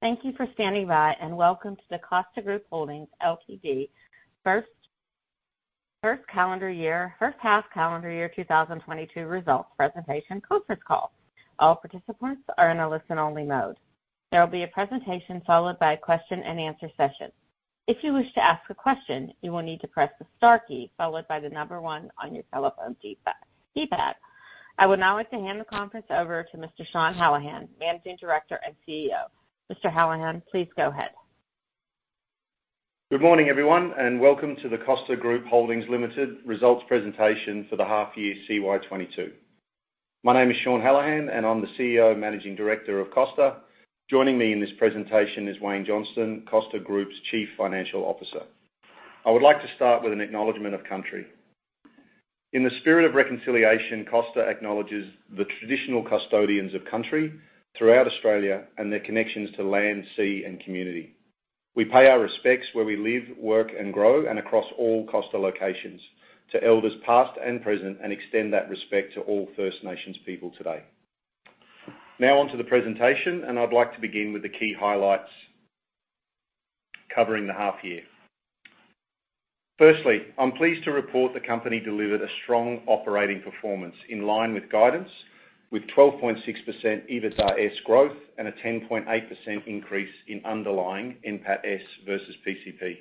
Thank you for standing by, and welcome to the Costa Group Holdings Ltd first half calendar year 2022 results presentation conference call. All participants are in a listen-only mode. There will be a presentation followed by a question-and-answer session. If you wish to ask a question, you will need to press the star key followed by the number one on your telephone keypad. I would now like to hand the conference over to Mr. Sean Hallahan, Managing Director and CEO. Mr. Hallahan, please go ahead. Good morning, everyone, and welcome to the Costa Group Holdings Limited results presentation for the half year CY 2022. My name is Sean Hallahan, and I'm the CEO and Managing Director of Costa. Joining me in this presentation is Wayne Johnston, Costa Group's Chief Financial Officer. I would like to start with an acknowledgment of country. In the spirit of reconciliation, Costa acknowledges the traditional custodians of country throughout Australia and their connections to land, sea, and community. We pay our respects where we live, work, and grow, and across all Costa locations, to elders past and present, and extend that respect to all First Nations people today. Now on to the presentation, and I'd like to begin with the key highlights covering the half year. Firstly, I'm pleased to report the company delivered a strong operating performance in line with guidance, with 12.6% EBITDA-S growth and a 10.8% increase in underlying NPAT-S versus PCP.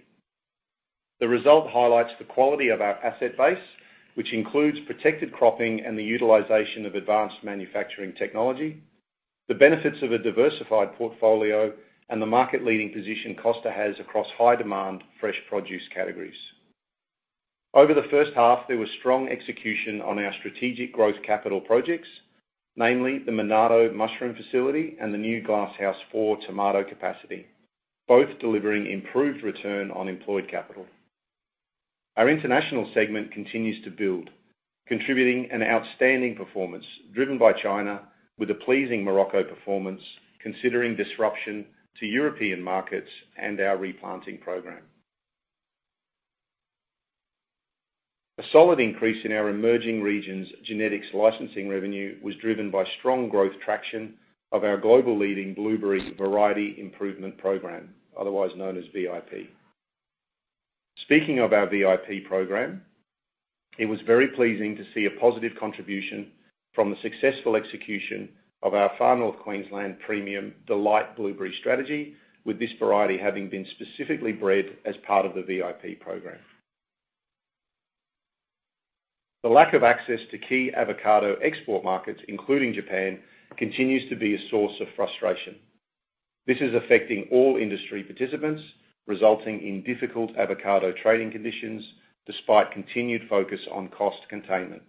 The result highlights the quality of our asset base, which includes protected cropping and the utilization of advanced manufacturing technology, the benefits of a diversified portfolio, and the market-leading position Costa has across high-demand fresh produce categories. Over the first half, there was strong execution on our strategic growth capital projects, namely the Monarto mushroom facility and the new Glasshouse 4 tomato capacity, both delivering improved return on employed capital. Our international segment continues to build, contributing an outstanding performance driven by China with a pleasing Morocco performance considering disruption to European markets and our replanting program. A solid increase in our emerging region's genetics licensing revenue was driven by strong growth traction of our global leading blueberry variety improvement program, otherwise known as VIP. Speaking of our VIP program, it was very pleasing to see a positive contribution from the successful execution of our Far North Queensland premium Delight blueberry strategy with this variety having been specifically bred as part of the VIP program. The lack of access to key avocado export markets, including Japan, continues to be a source of frustration. This is affecting all industry participants, resulting in difficult avocado trading conditions despite continued focus on cost containment.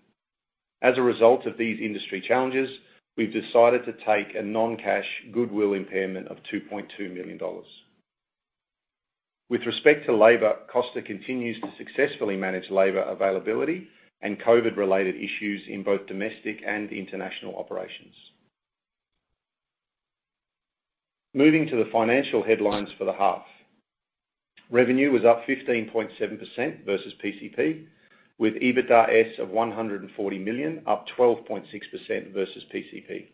As a result of these industry challenges, we've decided to take a non-cash goodwill impairment of 2.2 million dollars. With respect to labor, Costa continues to successfully manage labor availability and COVID-related issues in both domestic and international operations. Moving to the financial headlines for the half. Revenue was up 15.7% versus PCP, with EBITDA-S of 140 million, up 12.6% versus PCP.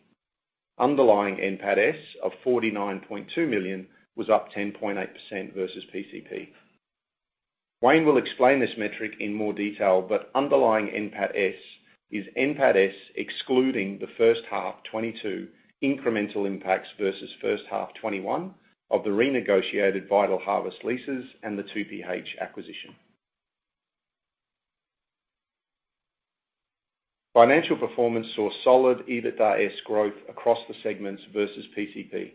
Underlying NPAT-S of 49.2 million was up 10.8% versus PCP. Wayne will explain this metric in more detail, but underlying NPAT-S is NPAT-S excluding the first half 2022 incremental impacts versus first half 2021 of the renegotiated Vitalharvest leases and the 2PH acquisition. Financial performance saw solid EBITDA-S growth across the segments versus PCP.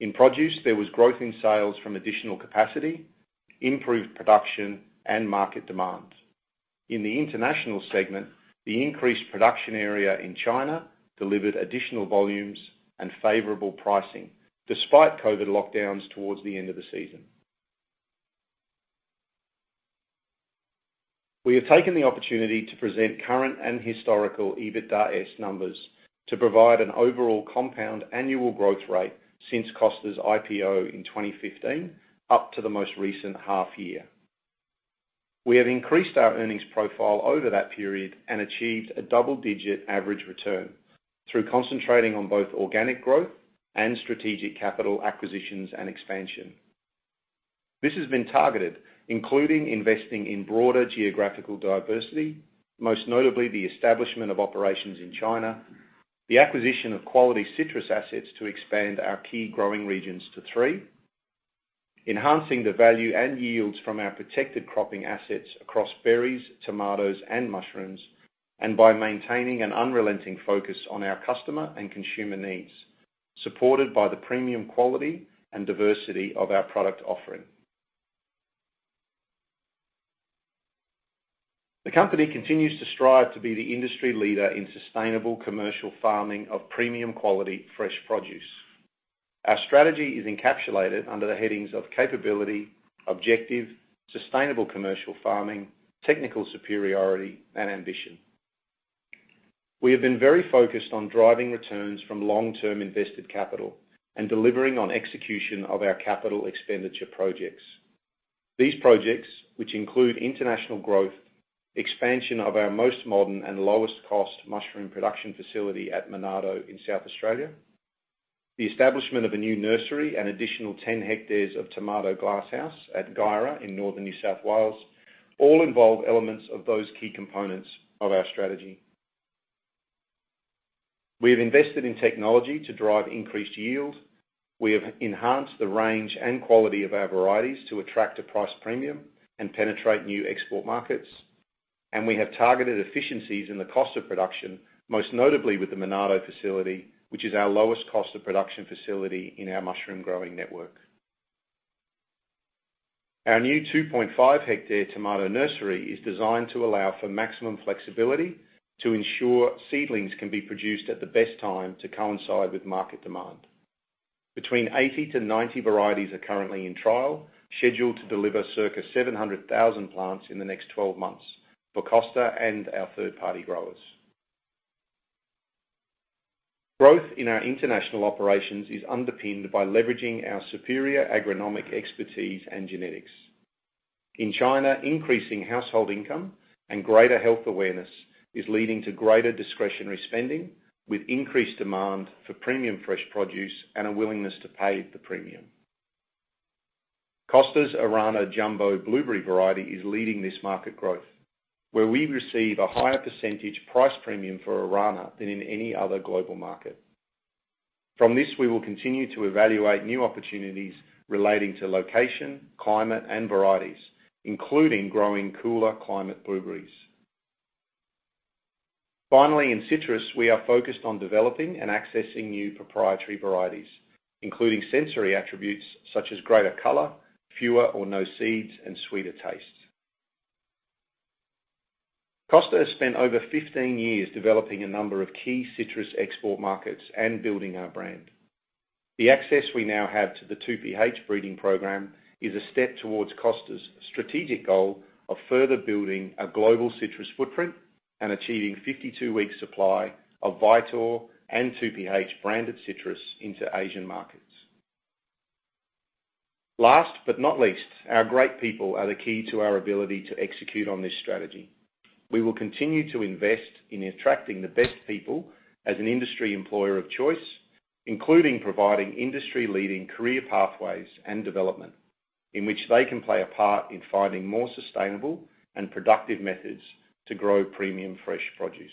In produce, there was growth in sales from additional capacity, improved production, and market demand. In the international segment, the increased production area in China delivered additional volumes and favorable pricing despite COVID lockdowns towards the end of the season. We have taken the opportunity to present current and historical EBITDA-S numbers to provide an overall compound annual growth rate since Costa's IPO in 2015 up to the most recent half year. We have increased our earnings profile over that period and achieved a double-digit average return through concentrating on both organic growth and strategic capital acquisitions and expansion. This has been targeted, including investing in broader geographical diversity, most notably the establishment of operations in China, the acquisition of quality citrus assets to expand our key growing regions to three, enhancing the value and yields from our protected cropping assets across berries, tomatoes, and mushrooms, and by maintaining an unrelenting focus on our customer and consumer needs, supported by the premium quality and diversity of our product offering. The company continues to strive to be the industry leader in sustainable commercial farming of premium quality fresh produce. Our strategy is encapsulated under the headings of capability, objective, sustainable commercial farming, technical superiority, and ambition. We have been very focused on driving returns from long-term invested capital and delivering on execution of our capital expenditure projects. These projects, which include international growth, expansion of our most modern and lowest cost mushroom production facility at Monarto in South Australia, the establishment of a new nursery and additional 10 hectares of tomato glasshouse at Guyra in Northern New South Wales, all involve elements of those key components of our strategy. We have invested in technology to drive increased yield. We have enhanced the range and quality of our varieties to attract a price premium and penetrate new export markets. We have targeted efficiencies in the cost of production, most notably with the Monarto facility, which is our lowest cost of production facility in our mushroom growing network. Our new 2.5 hectares tomato nursery is designed to allow for maximum flexibility to ensure seedlings can be produced at the best time to coincide with market demand. Between 80-90 varieties are currently in trial, scheduled to deliver circa 700,000 plants in the next 12 months for Costa and our third-party growers. Growth in our international operations is underpinned by leveraging our superior agronomic expertise in genetics. In China, increasing household income and greater health awareness is leading to greater discretionary spending, with increased demand for premium fresh produce and a willingness to pay the premium. Costa's Arana jumbo blueberry variety is leading this market growth, where we receive a higher percentage price premium for Arana than in any other global market. From this, we will continue to evaluate new opportunities relating to location, climate, and varieties, including growing cooler climate blueberries. Finally, in citrus, we are focused on developing and accessing new proprietary varieties, including sensory attributes such as greater color, fewer or no seeds, and sweeter taste. Costa has spent over 15 years developing a number of key citrus export markets and building our brand. The access we now have to the 2PH breeding program is a step towards Costa's strategic goal of further building a global citrus footprint and achieving 52-week supply of Vitor and 2PH-branded citrus into Asian markets. Last but not least, our great people are the key to our ability to execute on this strategy. We will continue to invest in attracting the best people as an industry employer of choice, including providing industry-leading career pathways and development in which they can play a part in finding more sustainable and productive methods to grow premium fresh produce.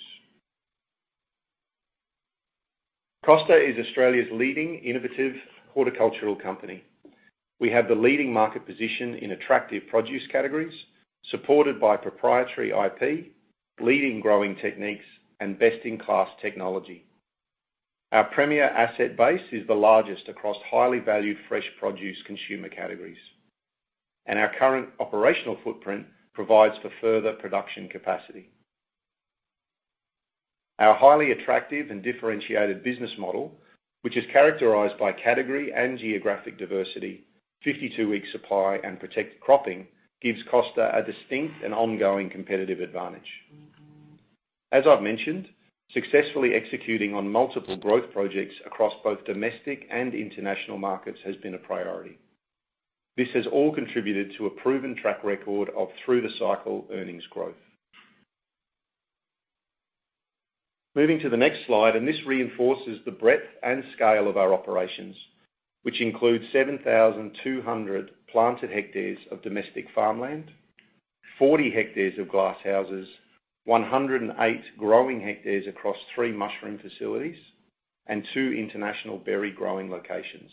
Costa is Australia's leading innovative horticultural company. We have the leading market position in attractive produce categories, supported by proprietary IP, leading growing techniques, and best-in-class technology. Our premier asset base is the largest across highly valued fresh produce consumer categories. Our current operational footprint provides for further production capacity. Our highly attractive and differentiated business model, which is characterized by category and geographic diversity, 52-week supply, and protected cropping, gives Costa a distinct and ongoing competitive advantage. As I've mentioned, successfully executing on multiple growth projects across both domestic and international markets has been a priority. This has all contributed to a proven track record of through-the-cycle earnings growth. Moving to the next slide, this reinforces the breadth and scale of our operations, which includes 7,200 planted hectares of domestic farmland, 40 hectares of glasshouses, 108 growing hectares across three mushroom facilities, and two international berry growing locations.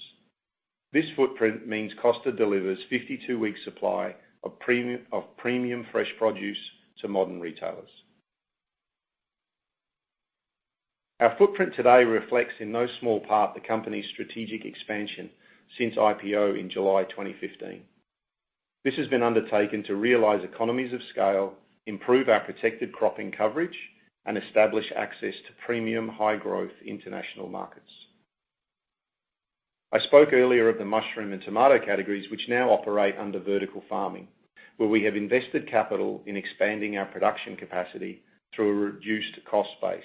This footprint means Costa delivers 52-week supply of premium fresh produce to modern retailers. Our footprint today reflects in no small part the company's strategic expansion since IPO in July 2015. This has been undertaken to realize economies of scale, improve our protected cropping coverage, and establish access to premium high-growth international markets. I spoke earlier of the mushroom and tomato categories, which now operate under vertical farming, where we have invested capital in expanding our production capacity through a reduced cost base.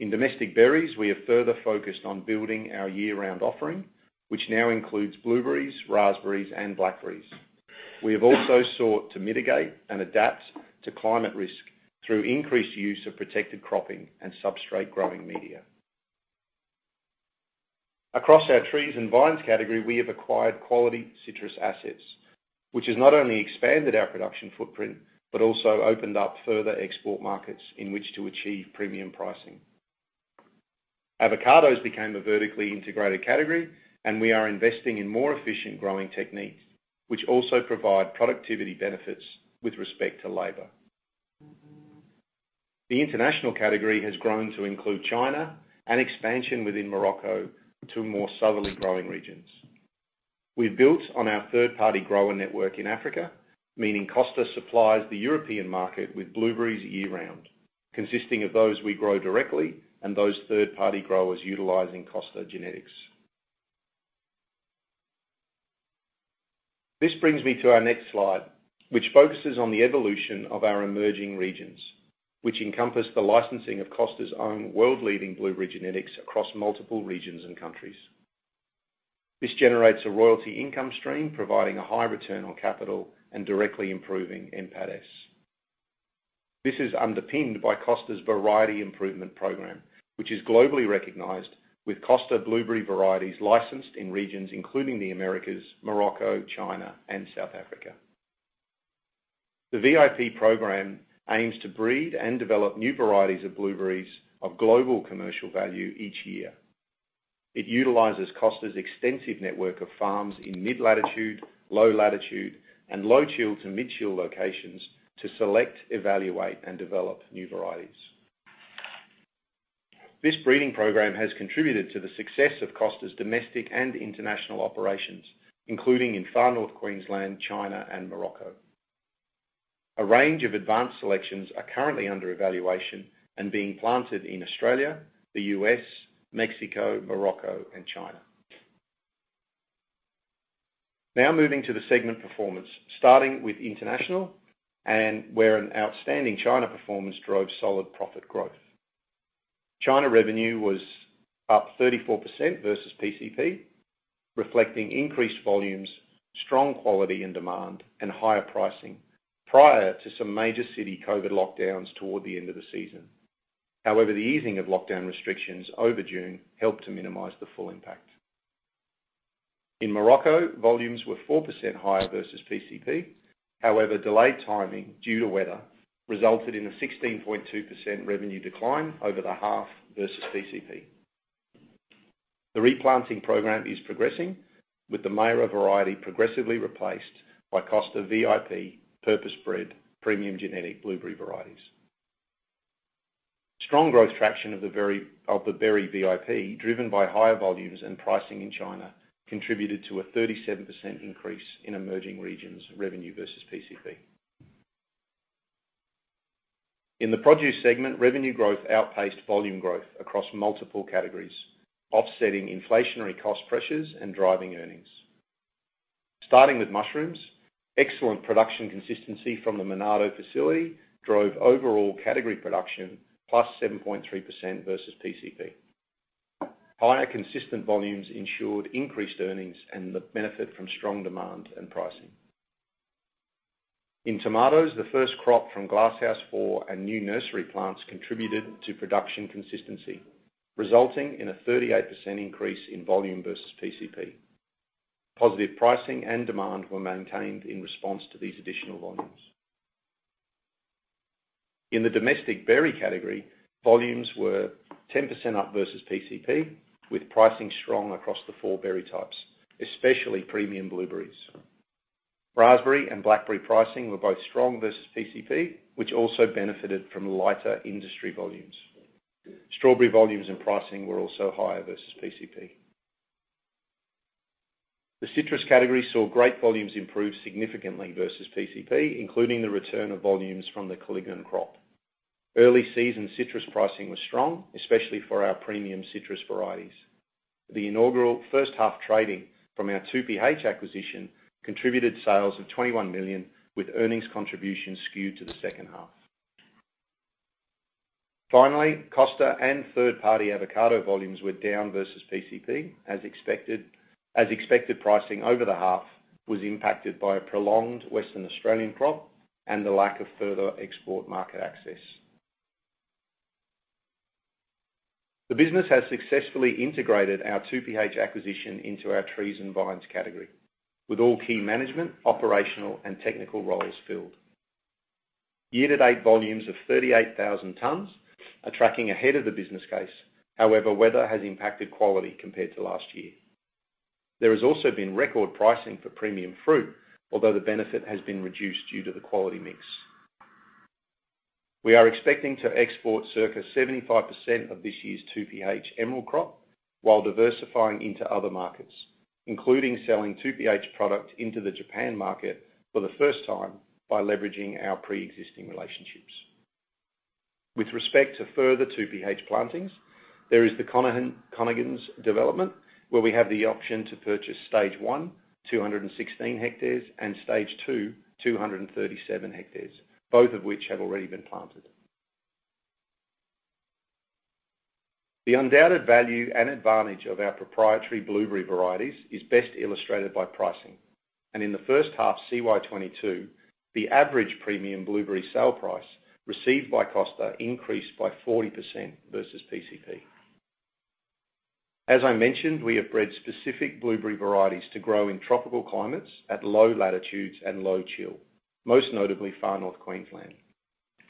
In domestic berries, we have further focused on building our year-round offering, which now includes blueberries, raspberries, and blackberries. We have also sought to mitigate and adapt to climate risk through increased use of protected cropping and substrate growing media. Across our trees and vines category, we have acquired quality citrus assets, which has not only expanded our production footprint, but also opened up further export markets in which to achieve premium pricing. Avocados became a vertically integrated category, and we are investing in more efficient growing techniques, which also provide productivity benefits with respect to labor. The international category has grown to include China and expansion within Morocco to more southerly growing regions. We've built on our third-party grower network in Africa, meaning Costa supplies the European market with blueberries year-round, consisting of those we grow directly and those third-party growers utilizing Costa genetics. This brings me to our next slide, which focuses on the evolution of our emerging regions, which encompass the licensing of Costa's own world-leading blueberry genetics across multiple regions and countries. This generates a royalty income stream, providing a high return on capital and directly improving NPAT-S. This is underpinned by Costa's variety improvement program, which is globally recognized, with Costa blueberry varieties licensed in regions including the Americas, Morocco, China and South Africa. The VIP program aims to breed and develop new varieties of blueberries of global commercial value each year. It utilizes Costa's extensive network of farms in mid-latitude, low latitude, and low chill to mid chill locations to select, evaluate and develop new varieties. This breeding program has contributed to the success of Costa's domestic and international operations, including in Far North Queensland, China and Morocco. A range of advanced selections are currently under evaluation and being planted in Australia, the U.S., Mexico, Morocco and China. Now moving to the segment performance, starting with international and where an outstanding China performance drove solid profit growth. China revenue was up 34% versus PCP, reflecting increased volumes, strong quality and demand, and higher pricing prior to some major city COVID lockdowns toward the end of the season. However, the easing of lockdown restrictions over June helped to minimize the full impact. In Morocco, volumes were 4% higher versus PCP. However, delayed timing due to weather resulted in a 16.2% revenue decline over the half versus PCP. The replanting program is progressing with the Mayra variety progressively replaced by Costa VIP purpose-bred premium genetic blueberry varieties. Strong growth traction of the berry VIP, driven by higher volumes and pricing in China, contributed to a 37% increase in emerging regions revenue versus PCP. In the produce segment, revenue growth outpaced volume growth across multiple categories, offsetting inflationary cost pressures and driving earnings. Starting with mushrooms, excellent production consistency from the Monarto facility drove overall category production +7.3% versus PCP. Higher consistent volumes ensured increased earnings and the benefit from strong demand and pricing. In tomatoes, the first crop from Glasshouse Four and new nursery plants contributed to production consistency, resulting in a 38% increase in volume versus PCP. Positive pricing and demand were maintained in response to these additional volumes. In the domestic berry category, volumes were 10% up versus PCP, with pricing strong across the four berry types, especially premium blueberries. Raspberry and blackberry pricing were both strong versus PCP, which also benefited from lighter industry volumes. Strawberry volumes and pricing were also higher versus PCP. The citrus category saw great volumes improve significantly versus PCP, including the return of volumes from the Colignan crop. Early season citrus pricing was strong, especially for our premium citrus varieties. The inaugural first half trading from our 2PH acquisition contributed sales of 21 million, with earnings contributions skewed to the second half. Finally, Costa and third-party avocado volumes were down versus PCP as expected. As expected, pricing over the half was impacted by a prolonged Western Australian crop and the lack of further export market access. The business has successfully integrated our 2PH acquisition into our trees and vines category, with all key management, operational and technical roles filled. Year-to-date volumes of 38,000 tons are tracking ahead of the business case. However, weather has impacted quality compared to last year. There has also been record pricing for premium fruit, although the benefit has been reduced due to the quality mix. We are expecting to export circa 75% of this year's 2PH Emerald crop while diversifying into other markets, including selling 2PH product into the Japan market for the first time by leveraging our pre-existing relationships. With respect to further 2PH plantings, there is the Conapaira, Conegans development, where we have the option to purchase stage one, 216 hectares, and stage two, 237 hectares, both of which have already been planted. The undoubted value and advantage of our proprietary blueberry varieties is best illustrated by pricing. In the first half CY 2022, the average premium blueberry sale price received by Costa increased by 40% versus PCP. As I mentioned, we have bred specific blueberry varieties to grow in tropical climates at low latitudes and low chill, most notably Far North Queensland.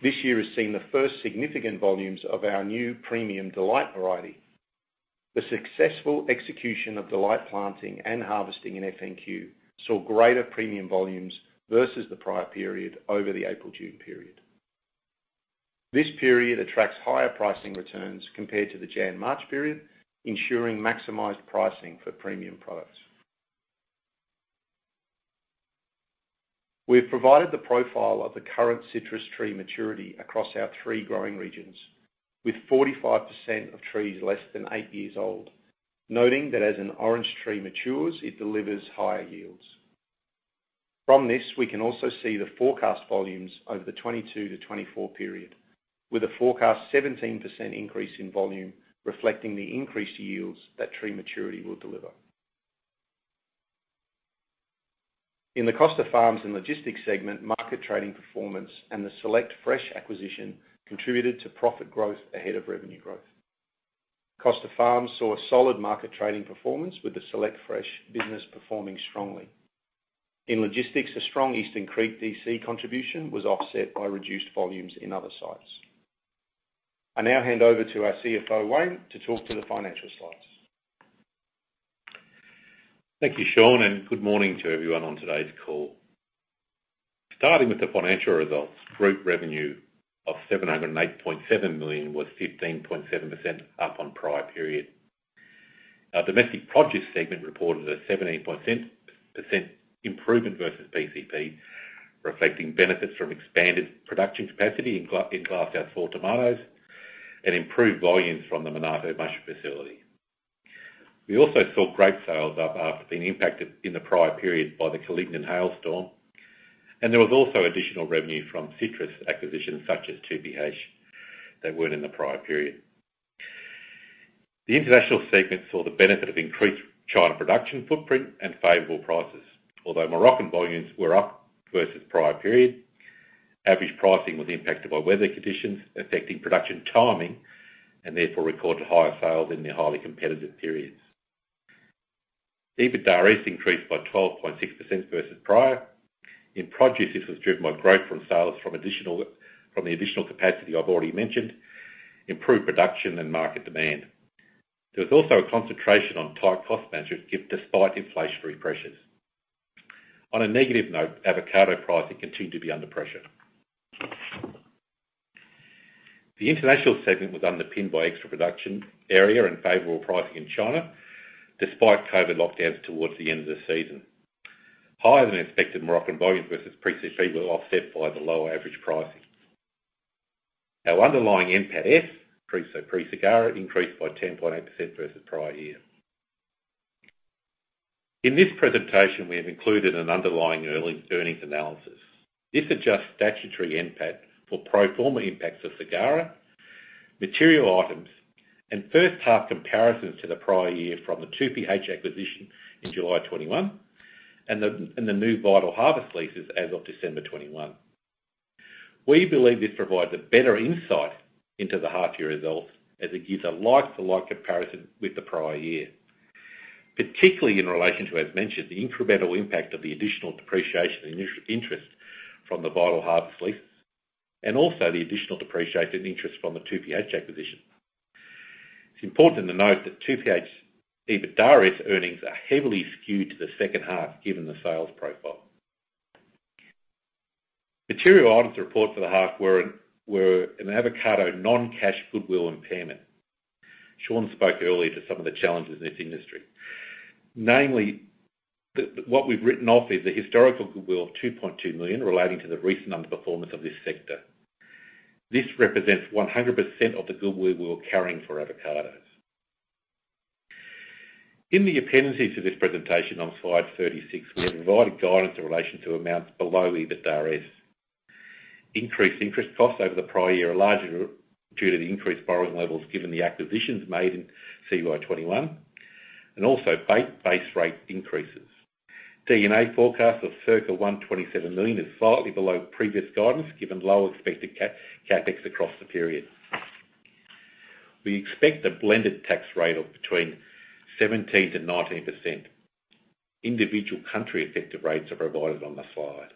This year has seen the first significant volumes of our new premium Delight variety. The successful execution of Delight planting and harvesting in FNQ saw greater premium volumes versus the prior period over the April-June period. This period attracts higher pricing returns compared to the Jan-March period, ensuring maximized pricing for premium products. We have provided the profile of the current citrus tree maturity across our three growing regions with 45% of trees less than 8 years old. Noting that as an orange tree matures, it delivers higher yields. From this, we can also see the forecast volumes over the 2022-2024 period, with a forecast 17% increase in volume reflecting the increased yields that tree maturity will deliver. In the Costa Farms and Logistics segment, market trading performance and the Select Fresh Group acquisition contributed to profit growth ahead of revenue growth. Costa Farms saw a solid market trading performance with the Select Fresh business performing strongly. In logistics, a strong Eastern Creek DC contribution was offset by reduced volumes in other sites. I now hand over to our CFO, Wayne, to talk through the financial slides. Thank you, Sean, and good morning to everyone on today's call. Starting with the financial results, group revenue of 708.7 million was 15.7% up on prior period. Our domestic produce segment reported a 17% improvement versus PCP, reflecting benefits from expanded production capacity in glasshouse four tomatoes and improved volumes from the Monarto mushroom facility. We also saw grape sales up after being impacted in the prior period by the Colignan hailstorm, and there was also additional revenue from citrus acquisitions such as 2PH that weren't in the prior period. The international segment saw the benefit of increased China production footprint and favorable prices. Although Moroccan volumes were up versus prior period, average pricing was impacted by weather conditions affecting production timing, and therefore recorded higher sales in the highly competitive periods. EBITDA increased by 12.6% versus prior. In produce, this was driven by growth in sales from the additional capacity I've already mentioned, improved production and market demand. There was also a concentration on tight cost management, despite inflationary pressures. On a negative note, avocado pricing continued to be under pressure. The international segment was underpinned by extra production area and favorable pricing in China despite COVID lockdowns towards the end of the season. Higher than expected Moroccan volumes versus pre-PCP were offset by the lower average pricing. Our underlying NPAT-S, pre SGARA increased by 10.8% versus prior year. In this presentation, we have included an underlying earnings analysis. This adjusts statutory NPAT for pro forma impacts of SGARA, material items, and first half comparisons to the prior year from the 2PH acquisition in July 2021 and the new Vitalharvest leases as of December 2021. We believe this provides a better insight into the half year results as it gives a like-for-like comparison with the prior year, particularly in relation to, as mentioned, the incremental impact of the additional depreciation and interest from the Vitalharvest leases and also the additional depreciation interest from the 2PH acquisition. It's important to note that 2PH EBITDA's earnings are heavily skewed to the second half, given the sales profile. Material items reported for the half were an avocado non-cash goodwill impairment. Sean spoke earlier to some of the challenges in this industry. Namely, what we've written off is the historical goodwill of 2.2 million relating to the recent underperformance of this sector. This represents 100% of the goodwill we were carrying for avocados. In the appendices of this presentation on slide 36, we have provided guidance in relation to amounts below EBITDA. Increased interest costs over the prior year are largely due to the increased borrowing levels given the acquisitions made in CY 2021 and also base rate increases. D&A forecast of circa 127 million is slightly below previous guidance, given lower expected CapEx across the period. We expect a blended tax rate of between 17%-19%. Individual country effective rates are provided on the slide.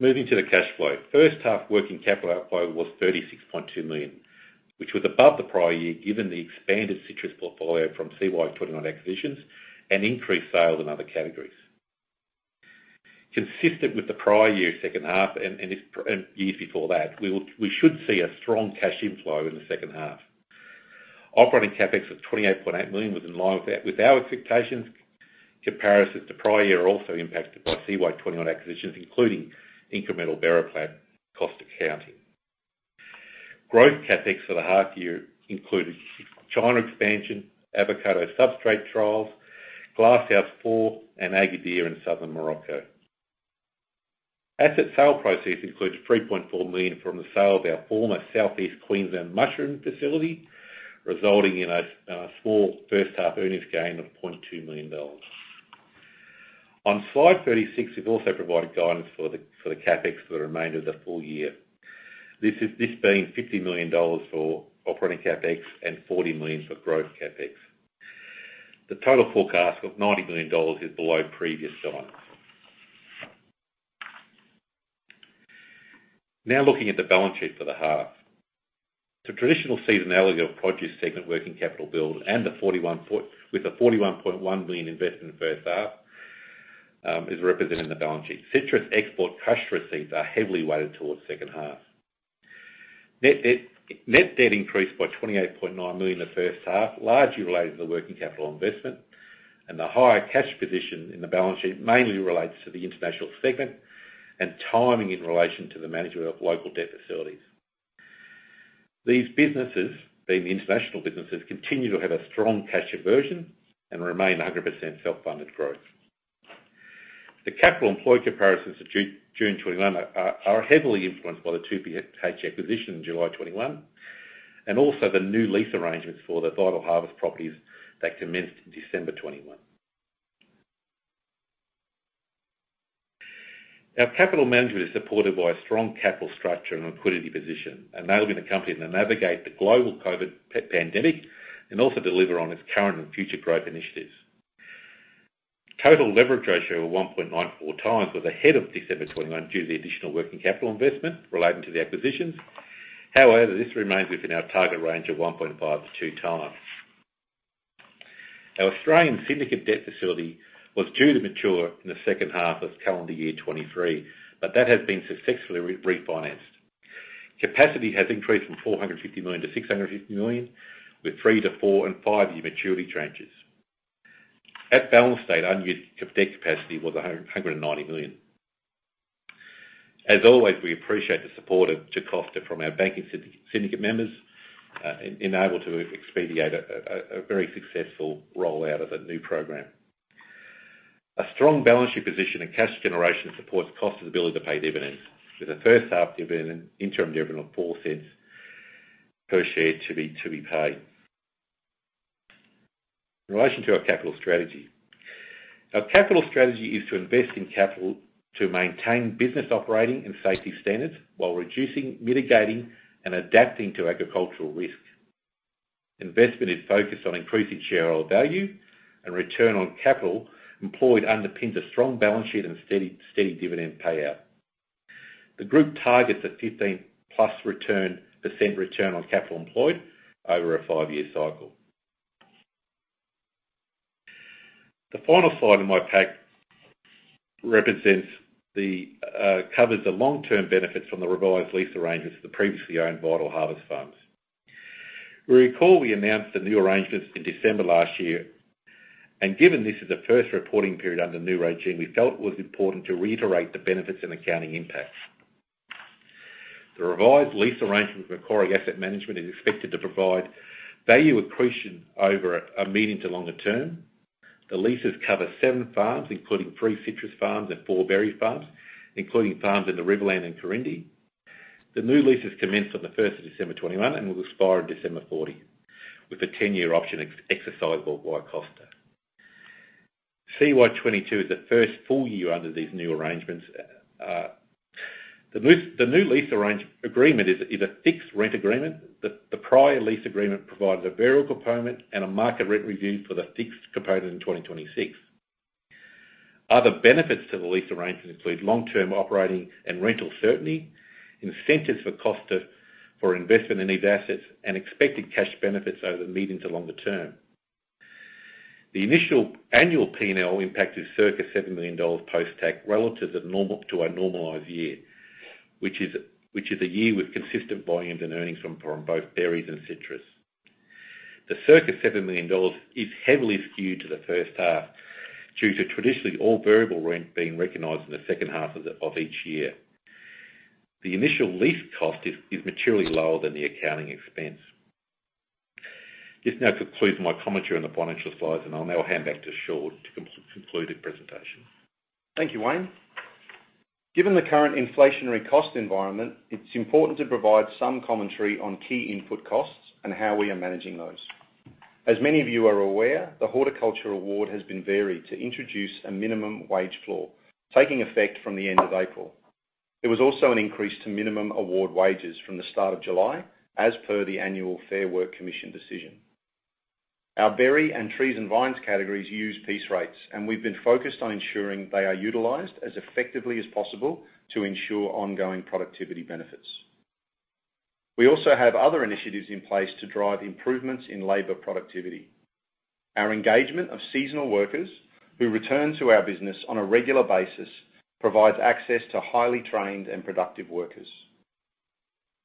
Moving to the cash flow. First half working capital outflow was 36.2 million, which was above the prior year, given the expanded citrus portfolio from CY 2021 acquisitions and increased sales in other categories. Consistent with the prior year second half and years before that, we should see a strong cash inflow in the second half. Operating CapEx of 28.8 million was in line with our expectations. Comparisons to prior year are also impacted by CY 2021 acquisitions, including incremental berry plant cost accounting. Growth CapEx for the half year included China expansion, avocado substrate trials, Glasshouse 4, and Agadir in southern Morocco. Asset sale proceeds includes 3.4 million from the sale of our former Southeast Queensland mushroom facility, resulting in a small first-half earnings gain of AUD 0.2 million. On slide 36, we've also provided guidance for CapEx for the remainder of the full year. This being 50 million dollars for operating CapEx and 40 million for growth CapEx. The total forecast of 90 million dollars is below previous guidance. Now, looking at the balance sheet for the half. The traditional seasonality of produce segment working capital build and the 41.1 million invested in the first half is represented in the balance sheet. Citrus export cash receipts are heavily weighted towards second half. Net debt increased by 28.9 million in the first half, largely related to the working capital investment and the higher cash position in the balance sheet mainly relates to the international segment and timing in relation to the management of local debt facilities. These businesses, being the international businesses, continue to have a strong cash generation and remain 100% self-funded growth. The capital employed comparisons of June 2021 are heavily influenced by the 2PH acquisition in July 2021, and also the new lease arrangements for the Vitalharvest properties that commenced in December 2021. Our capital management is supported by a strong capital structure and liquidity position, enabling the company to navigate the global COVID pandemic and also deliver on its current and future growth initiatives. Total leverage ratio of 1.94x was ahead of December 2021 due to the additional working capital investment relating to the acquisitions. However, this remains within our target range of 1.5x-2x. Our Australian syndicate debt facility was due to mature in the second half of calendar year 2023, but that has been successfully refinanced. Capacity has increased from 450 million to 650 million, with three to four and five-year maturity tranches. At balance date, unused debt capacity was 190 million. As always, we appreciate the support of Costa from our banking syndicate members, enabled to expedite a very successful rollout of the new program. A strong balance sheet position and cash generation supports Costa's ability to pay dividends, with the first half dividend, interim dividend of 0.04 per share to be paid. In relation to our capital strategy. Our capital strategy is to invest in capital to maintain business operating and safety standards while reducing, mitigating, and adapting to agricultural risks. Investment is focused on increasing shareholder value, and return on capital employed underpins a strong balance sheet and a steady dividend payout. The group targets a 15%+ return on capital employed over a five-year cycle. The final slide in my pack covers the long-term benefits from the revised lease arrangements of the previously owned Vitalharvest farms. We recall we announced the new arrangements in December last year, and given this is the first reporting period under the new regime, we felt it was important to reiterate the benefits and accounting impacts. The revised lease arrangement with Macquarie Asset Management is expected to provide value accretion over a medium to longer term. The leases cover seven farms, including three citrus farms and four berry farms, including farms in the Riverland and Corindi. The new leases commenced on the first of December 2021 and will expire in December 2040, with a 10-year option exercisable by Costa. CY 2022 is the first full year under these new arrangements. The new lease agreement is a fixed rent agreement. The prior lease agreement provided a variable component and a market rent review for the fixed component in 2026. Other benefits to the lease arrangement include long-term operating and rental certainty, incentives for Costa for investment in these assets, and expected cash benefits over the medium to longer term. The initial annual P&L impact is circa 7 million dollars post-tax relative to normal, to a normalized year, which is a year with consistent volumes and earnings from both berries and citrus. The circa 7 million dollars is heavily skewed to the first half due to traditionally all variable rent being recognized in the second half of each year. The initial lease cost is materially lower than the accounting expense. This now concludes my commentary on the financial slides, and I'll now hand back to Shaun to conclude the presentation. Thank you, Wayne. Given the current inflationary cost environment, it's important to provide some commentary on key input costs and how we are managing those. As many of you are aware, the Horticulture Award has been varied to introduce a minimum wage floor, taking effect from the end of April. There was also an increase to minimum award wages from the start of July, as per the annual Fair Work Commission decision. Our berry and trees and vines categories use piece rates, and we've been focused on ensuring they are utilized as effectively as possible to ensure ongoing productivity benefits. We also have other initiatives in place to drive improvements in labor productivity. Our engagement of seasonal workers who return to our business on a regular basis provides access to highly trained and productive workers.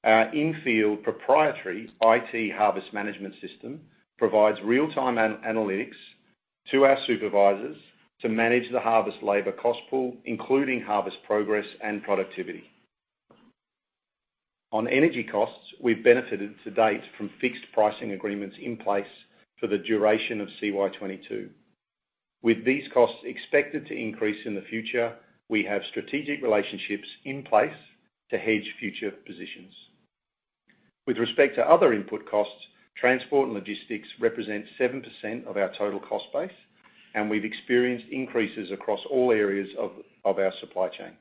Our in-field proprietary IT harvest management system provides real-time analytics to our supervisors to manage the harvest labor cost pool, including harvest progress and productivity. On energy costs, we've benefited to date from fixed pricing agreements in place for the duration of CY 2022. With these costs expected to increase in the future, we have strategic relationships in place to hedge future positions. With respect to other input costs, transport and logistics represent 7% of our total cost base, and we've experienced increases across all areas of our supply chain.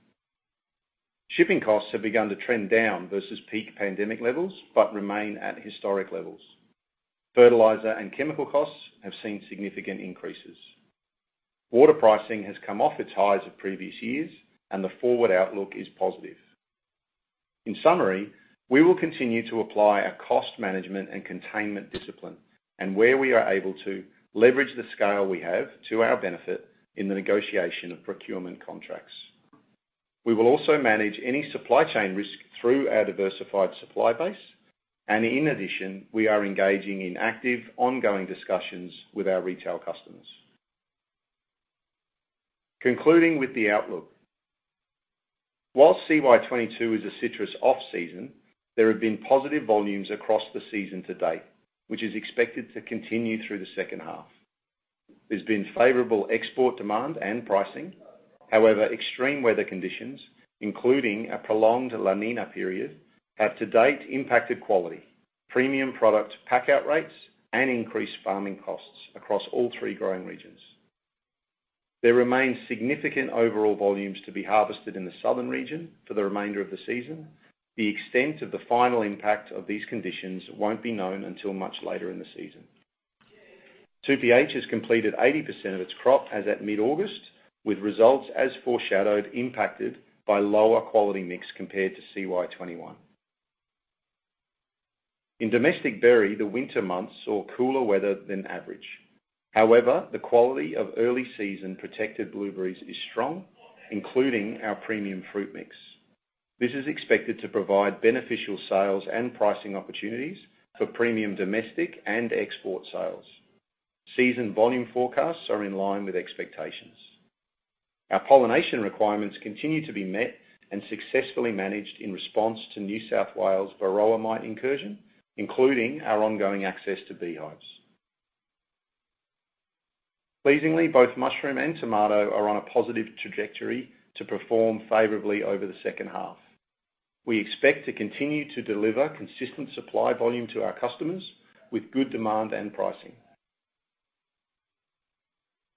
Shipping costs have begun to trend down versus peak pandemic levels, but remain at historic levels. Fertilizer and chemical costs have seen significant increases. Water pricing has come off its highs of previous years, and the forward outlook is positive. In summary, we will continue to apply our cost management and containment discipline and where we are able to leverage the scale we have to our benefit in the negotiation of procurement contracts. We will also manage any supply chain risk through our diversified supply base, and in addition, we are engaging in active, ongoing discussions with our retail customers. Concluding with the outlook. While CY 2022 is a citrus off-season, there have been positive volumes across the season to date, which is expected to continue through the second half. There's been favorable export demand and pricing. However, extreme weather conditions, including a prolonged La Niña period, have to date impacted quality, premium product pack out rates, and increased farming costs across all three growing regions. There remains significant overall volumes to be harvested in the southern region for the remainder of the season. The extent of the final impact of these conditions won't be known until much later in the season. 2PH has completed 80% of its crop as at mid-August, with results as foreshadowed, impacted by lower quality mix compared to CY 21. In domestic berry, the winter months saw cooler weather than average. However, the quality of early season protected blueberries is strong, including our premium fruit mix. This is expected to provide beneficial sales and pricing opportunities for premium domestic and export sales. Season volume forecasts are in line with expectations. Our pollination requirements continue to be met and successfully managed in response to New South Wales varroa mite incursion, including our ongoing access to beehives. Pleasingly, both mushroom and tomato are on a positive trajectory to perform favorably over the second half. We expect to continue to deliver consistent supply volume to our customers with good demand and pricing.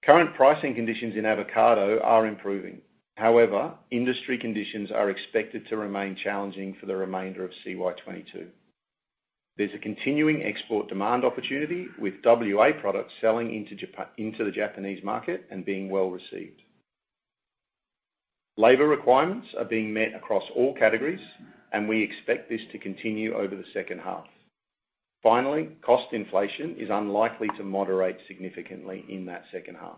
Current pricing conditions in avocado are improving. However, industry conditions are expected to remain challenging for the remainder of CY 2022. There's a continuing export demand opportunity with WA products selling into the Japanese market and being well-received. Labor requirements are being met across all categories, and we expect this to continue over the second half. Finally, cost inflation is unlikely to moderate significantly in that second half.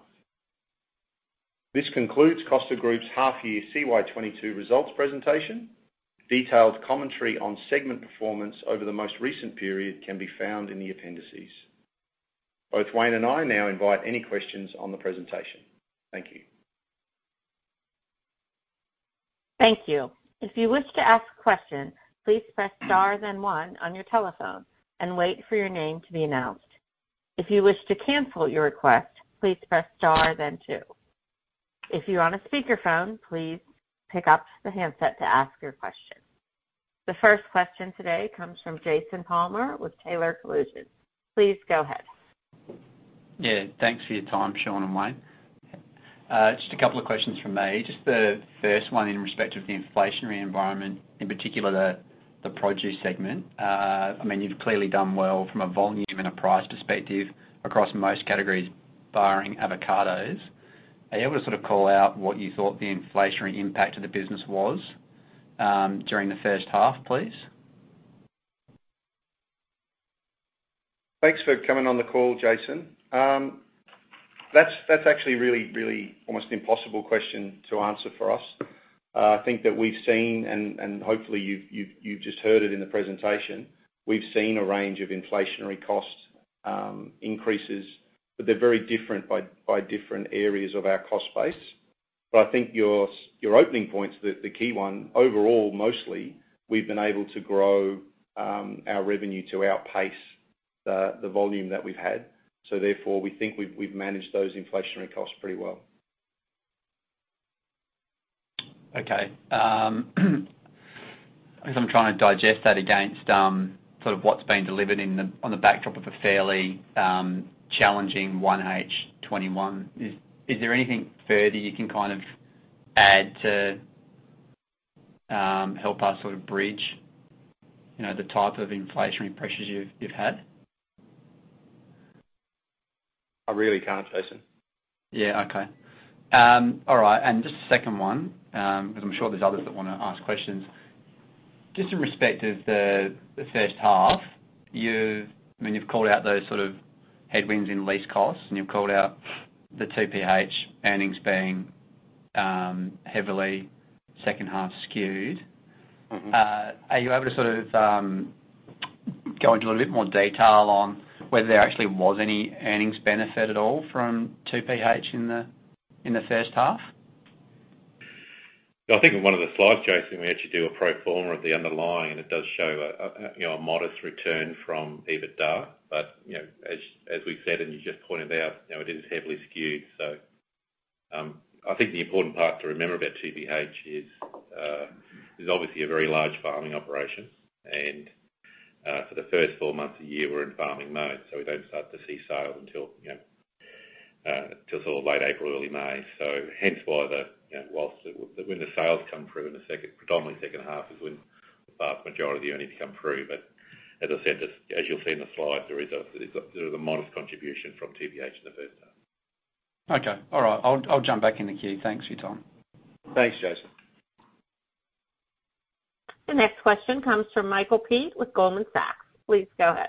This concludes Costa Group's half-year CY 2022 results presentation. Detailed commentary on segment performance over the most recent period can be found in the appendices. Both Wayne and I now invite any questions on the presentation. Thank you. Thank you. If you wish to ask a question, please press star then one on your telephone and wait for your name to be announced. If you wish to cancel your request, please press star then two. If you're on a speakerphone, please pick up the handset to ask your question. The first question today comes from Jason Palmer with Taylor Collison. Please go ahead. Yeah, thanks for your time, Sean and Wayne. Just a couple of questions from me. Just the first one in respect of the inflationary environment, in particular the produce segment. I mean, you've clearly done well from a volume and a price perspective across most categories, barring avocados. Are you able to sort of call out what you thought the inflationary impact of the business was during the first half, please? Thanks for coming on the call, Jason. That's actually really almost an impossible question to answer for us. I think that we've seen, and hopefully you've just heard it in the presentation, we've seen a range of inflationary cost increases, but they're very different by different areas of our cost base. I think your opening point's the key one. Overall, mostly, we've been able to grow our revenue to outpace the volume that we've had. Therefore, we think we've managed those inflationary costs pretty well. Okay. I guess I'm trying to digest that against sort of what's been delivered on the backdrop of a fairly challenging 1H 2021. Is there anything further you can kind of add to help us sort of bridge, you know, the type of inflationary pressures you've had? I really can't, Jason. Yeah, okay. All right. Just a second one, 'cause I'm sure there's others that wanna ask questions. Just in respect of the first half, I mean, you've called out those sort of headwinds in lease costs, and you've called out the 2PH earnings being heavily second half skewed. Mm-hmm. Are you able to sort of go into a little bit more detail on whether there actually was any earnings benefit at all from 2PH in the first half? I think in one of the slides, Jason, we actually do a pro forma of the underlying, and it does show a you know, a modest return from EBITDA. You know, as we've said, and you just pointed out, you know, it is heavily skewed. I think the important part to remember about 2PH is, there's obviously a very large farming operation. For the first four months of the year, we're in farming mode, so we don't start to see sales until, you know, till sort of late April, early May. Hence why the, you know, while when the sales come through in the second, predominantly second half is when the vast majority of the earnings come through. As I said, you'll see in the slides, there is a modest contribution from 2PH in the first half. Okay. All right. I'll jump back in the queue. Thanks for your time. Thanks, Jason. The next question comes from Michael Peet with Goldman Sachs. Please go ahead.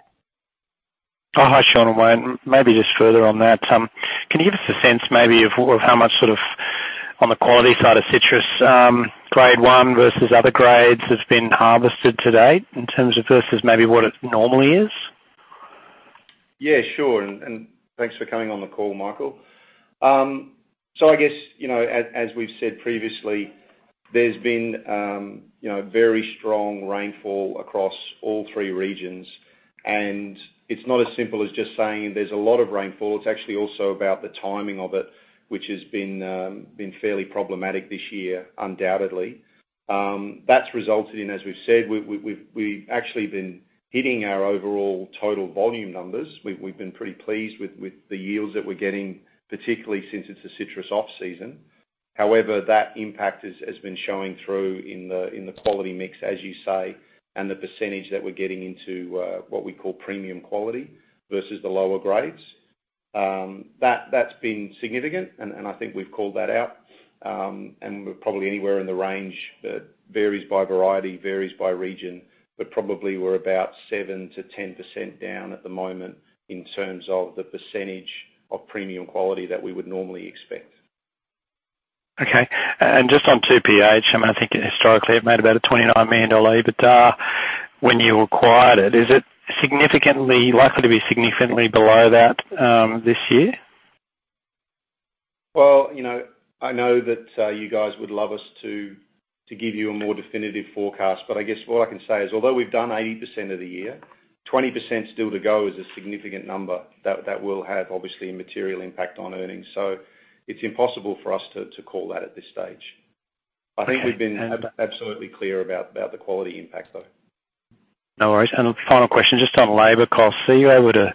Oh, hi, Sean and Wayne. Maybe just further on that. Can you give us a sense maybe of how much sort of on the quality side of citrus, grade one versus other grades has been harvested to date in terms of versus maybe what it normally is? Yeah, sure. Thanks for coming on the call, Michael Peet. I guess, you know, as we've said previously, there's been, you know, very strong rainfall across all three regions. It's not as simple as just saying there's a lot of rainfall. It's actually also about the timing of it, which has been fairly problematic this year, undoubtedly. That's resulted in, as we've said, we've actually been hitting our overall total volume numbers. We've been pretty pleased with the yields that we're getting, particularly since it's a citrus off-season. However, that impact has been showing through in the quality mix, as you say, and the percentage that we're getting into what we call premium quality versus the lower grades. That's been significant, and I think we've called that out. We're probably anywhere in the range that varies by variety, varies by region, but probably we're about 7%-10% down at the moment in terms of the percentage of premium quality that we would normally expect. Just on 2PH, I mean, I think historically it made about 29 million dollar, but when you acquired it, is it significantly likely to be significantly below that this year? Well, you know, I know that you guys would love us to give you a more definitive forecast, but I guess what I can say is, although we've done 80% of the year, 20% still to go is a significant number that will have obviously a material impact on earnings. It's impossible for us to call that at this stage. Okay. I think we've been absolutely clear about the quality impact, though. No worries. A final question, just on labor costs. Are you able to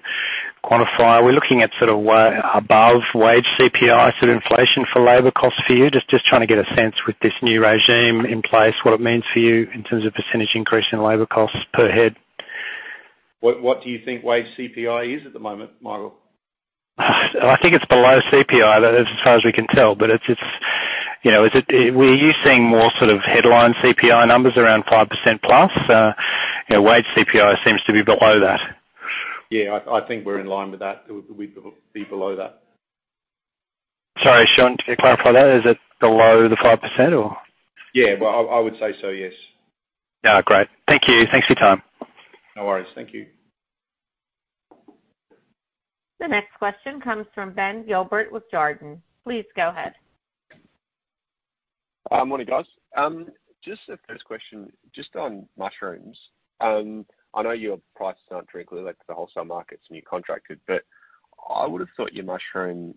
quantify? We're looking at sort of way above wage CPI sort of inflation for labor costs for you. Just trying to get a sense with this new regime in place, what it means for you in terms of percentage increase in labor costs per head. What do you think wage CPI is at the moment, Michael? I think it's below CPI. That is as far as we can tell, but it's. Are you seeing more sort of headline CPI numbers around 5%+? Wage CPI seems to be below that. Yeah. I think we're in line with that. We'd be below that. Sorry, Sean, can you clarify that? Is it below the 5% or? Yeah. Well, I would say so, yes. Yeah. Great. Thank you. Thanks for your time. No worries. Thank you. The next question comes from Ben Gilbert with Jarden. Please go ahead. Morning, guys. Just a first question, just on mushrooms. I know your prices aren't directly linked to the wholesale markets and you're contracted, but I would've thought your mushroom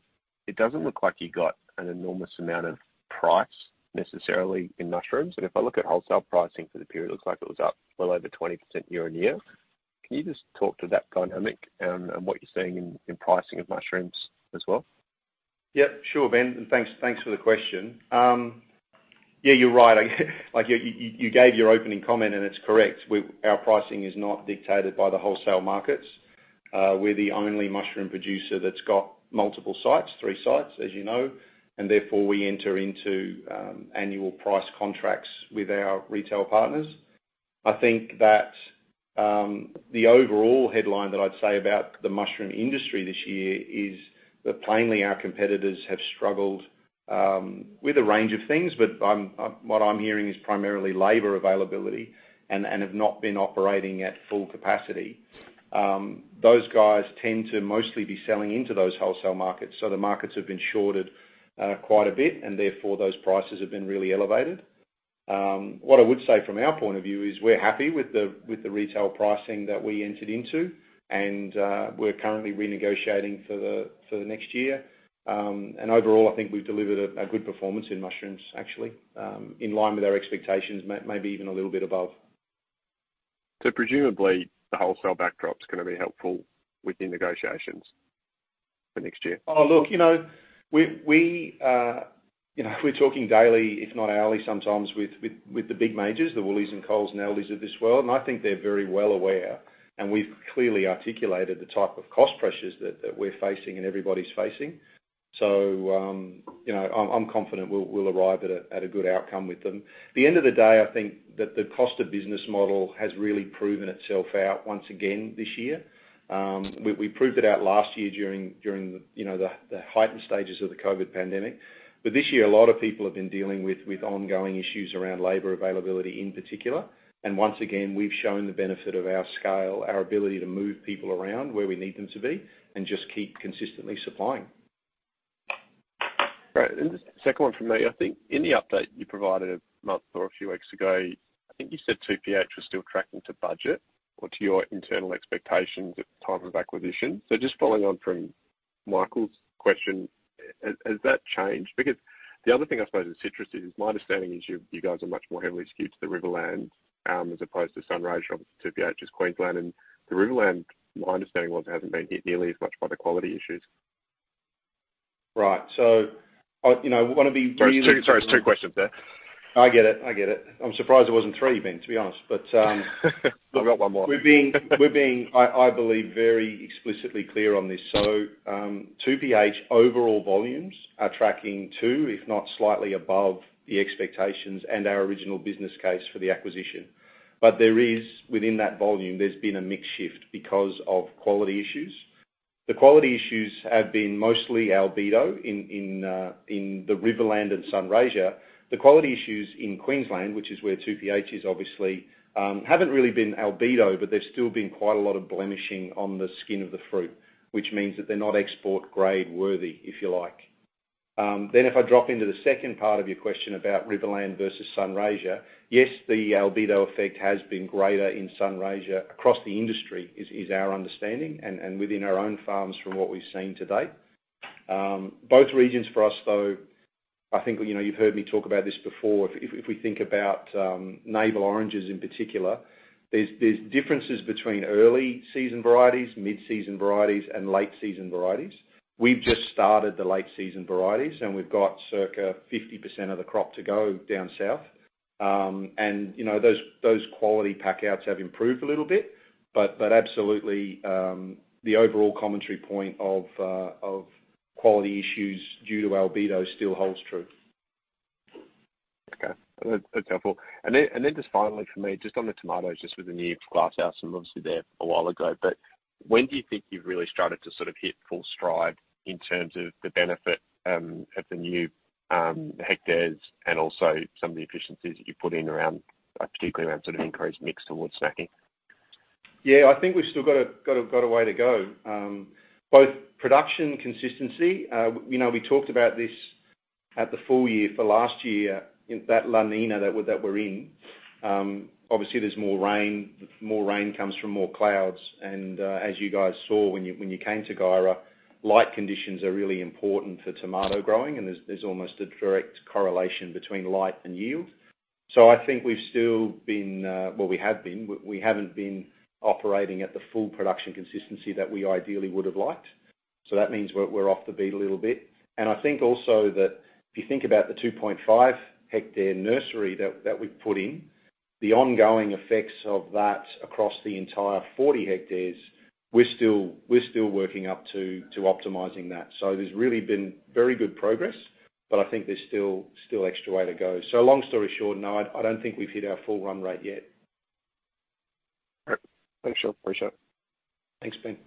It doesn't look like you got an enormous amount of price necessarily in mushrooms. If I look at wholesale pricing for the period, it looks like it was up well over 20% year-on-year. Can you just talk to that dynamic and what you're seeing in pricing of mushrooms as well? Yeah. Sure, Ben, and thanks for the question. Yeah, you're right. Like, you gave your opening comment, and it's correct. Our pricing is not dictated by the wholesale markets. We're the only mushroom producer that's got multiple sites, three sites, as you know, and therefore we enter into annual price contracts with our retail partners. I think that the overall headline that I'd say about the mushroom industry this year is that plainly, our competitors have struggled with a range of things. But what I'm hearing is primarily labor availability and have not been operating at full capacity. Those guys tend to mostly be selling into those wholesale markets, so the markets have been shorted quite a bit, and therefore those prices have been really elevated. What I would say from our point of view is we're happy with the retail pricing that we entered into, and we're currently renegotiating for the next year. Overall, I think we've delivered a good performance in mushrooms, actually, in line with our expectations, maybe even a little bit above. Presumably, the wholesale backdrop's gonna be helpful with your negotiations for next year. Oh, look, you know, we you know, we're talking daily, if not hourly sometimes with the big majors, the Woolworths and Coles and Aldi of this world, and I think they're very well aware, and we've clearly articulated the type of cost pressures that we're facing and everybody's facing. You know, I'm confident we'll arrive at a good outcome with them. At the end of the day, I think that the cost of business model has really proven itself out once again this year. We proved it out last year during you know, the heightened stages of the COVID pandemic. This year, a lot of people have been dealing with ongoing issues around labor availability in particular. Once again, we've shown the benefit of our scale, our ability to move people around where we need them to be and just keep consistently supplying. Great. Just second one from me. I think in the update you provided a month or a few weeks ago, I think you said 2PH was still tracking to budget or to your internal expectations at the time of acquisition. Just following on from Michael's question, has that changed? Because the other thing I suppose with citrus is my understanding is you guys are much more heavily skewed to the Riverland, as opposed to Sunraysia. Obviously 2PH is Queensland. The Riverland, my understanding was it hasn't been hit nearly as much by the quality issues. Right. You know, I wanna be really- Sorry, there's two questions there. I get it. I'm surprised it wasn't three, Ben, to be honest. I've got one more. We're being I believe very explicitly clear on this. 2PH overall volumes are tracking to, if not slightly above, the expectations and our original business case for the acquisition. There is, within that volume, there's been a mix shift because of quality issues. The quality issues have been mostly albedo in the Riverland and Sunraysia. The quality issues in Queensland, which is where 2PH is obviously, haven't really been albedo, but there's still been quite a lot of blemishing on the skin of the fruit, which means that they're not export grade-worthy, if you like. If I drop into the second part of your question about Riverland versus Sunraysia, yes, the albedo effect has been greater in Sunraysia across the industry, is our understanding and within our own farms from what we've seen to date. Both regions for us, though, I think, you know, you've heard me talk about this before. If we think about navel oranges in particular, there's differences between early season varieties, mid-season varieties, and late season varieties. We've just started the late season varieties, and we've got circa 50% of the crop to go down south. You know, those quality pack outs have improved a little bit. Absolutely, the overall commentary point of quality issues due to albedo still holds true. Okay. That's helpful. Then just finally for me, just on the tomatoes, just with the new glasshouse, and obviously there a while ago, but when do you think you've really started to sort of hit full stride in terms of the benefit of the new hectares and also some of the efficiencies that you've put in around, particularly around sort of increased mix towards snacking? Yeah. I think we've still got a way to go. Both production consistency, you know, we talked about this at the full year for last year, in that La Niña that we're in, obviously there's more rain. More rain comes from more clouds. As you guys saw when you came to Guyra, light conditions are really important for tomato growing, and there's almost a direct correlation between light and yield. So I think we've still been, well, we have been. We haven't been operating at the full production consistency that we ideally would've liked. So that means we're off the beat a little bit. I think also that if you think about the 2.5 hectare nursery that we've put in, the ongoing effects of that across the entire 40 hectares, we're still working up to optimizing that. There's really been very good progress, but I think there's still extra way to go. Long story short, no, I don't think we've hit our full run rate yet. All right. Thanks, Shaun. Appreciate it. Thanks, Ben.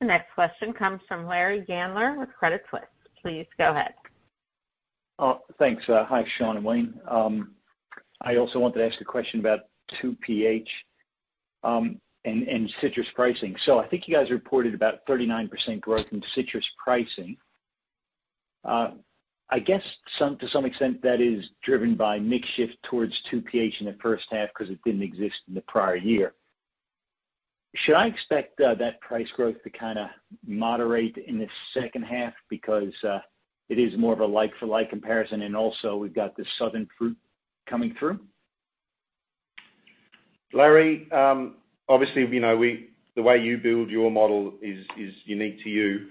The next question comes from Larry Gandler with Credit Suisse. Please go ahead. Thanks. Hi, Sean and Wayne. I also wanted to ask a question about 2PH and citrus pricing. I think you guys reported about 39% growth in citrus pricing. I guess to some extent that is driven by mix shift towards 2PH in the first half, 'cause it didn't exist in the prior year. Should I expect that price growth to kinda moderate in the second half because it is more of a like for like comparison, and also we've got the southern fruit coming through? Larry, obviously, you know, the way you build your model is unique to you.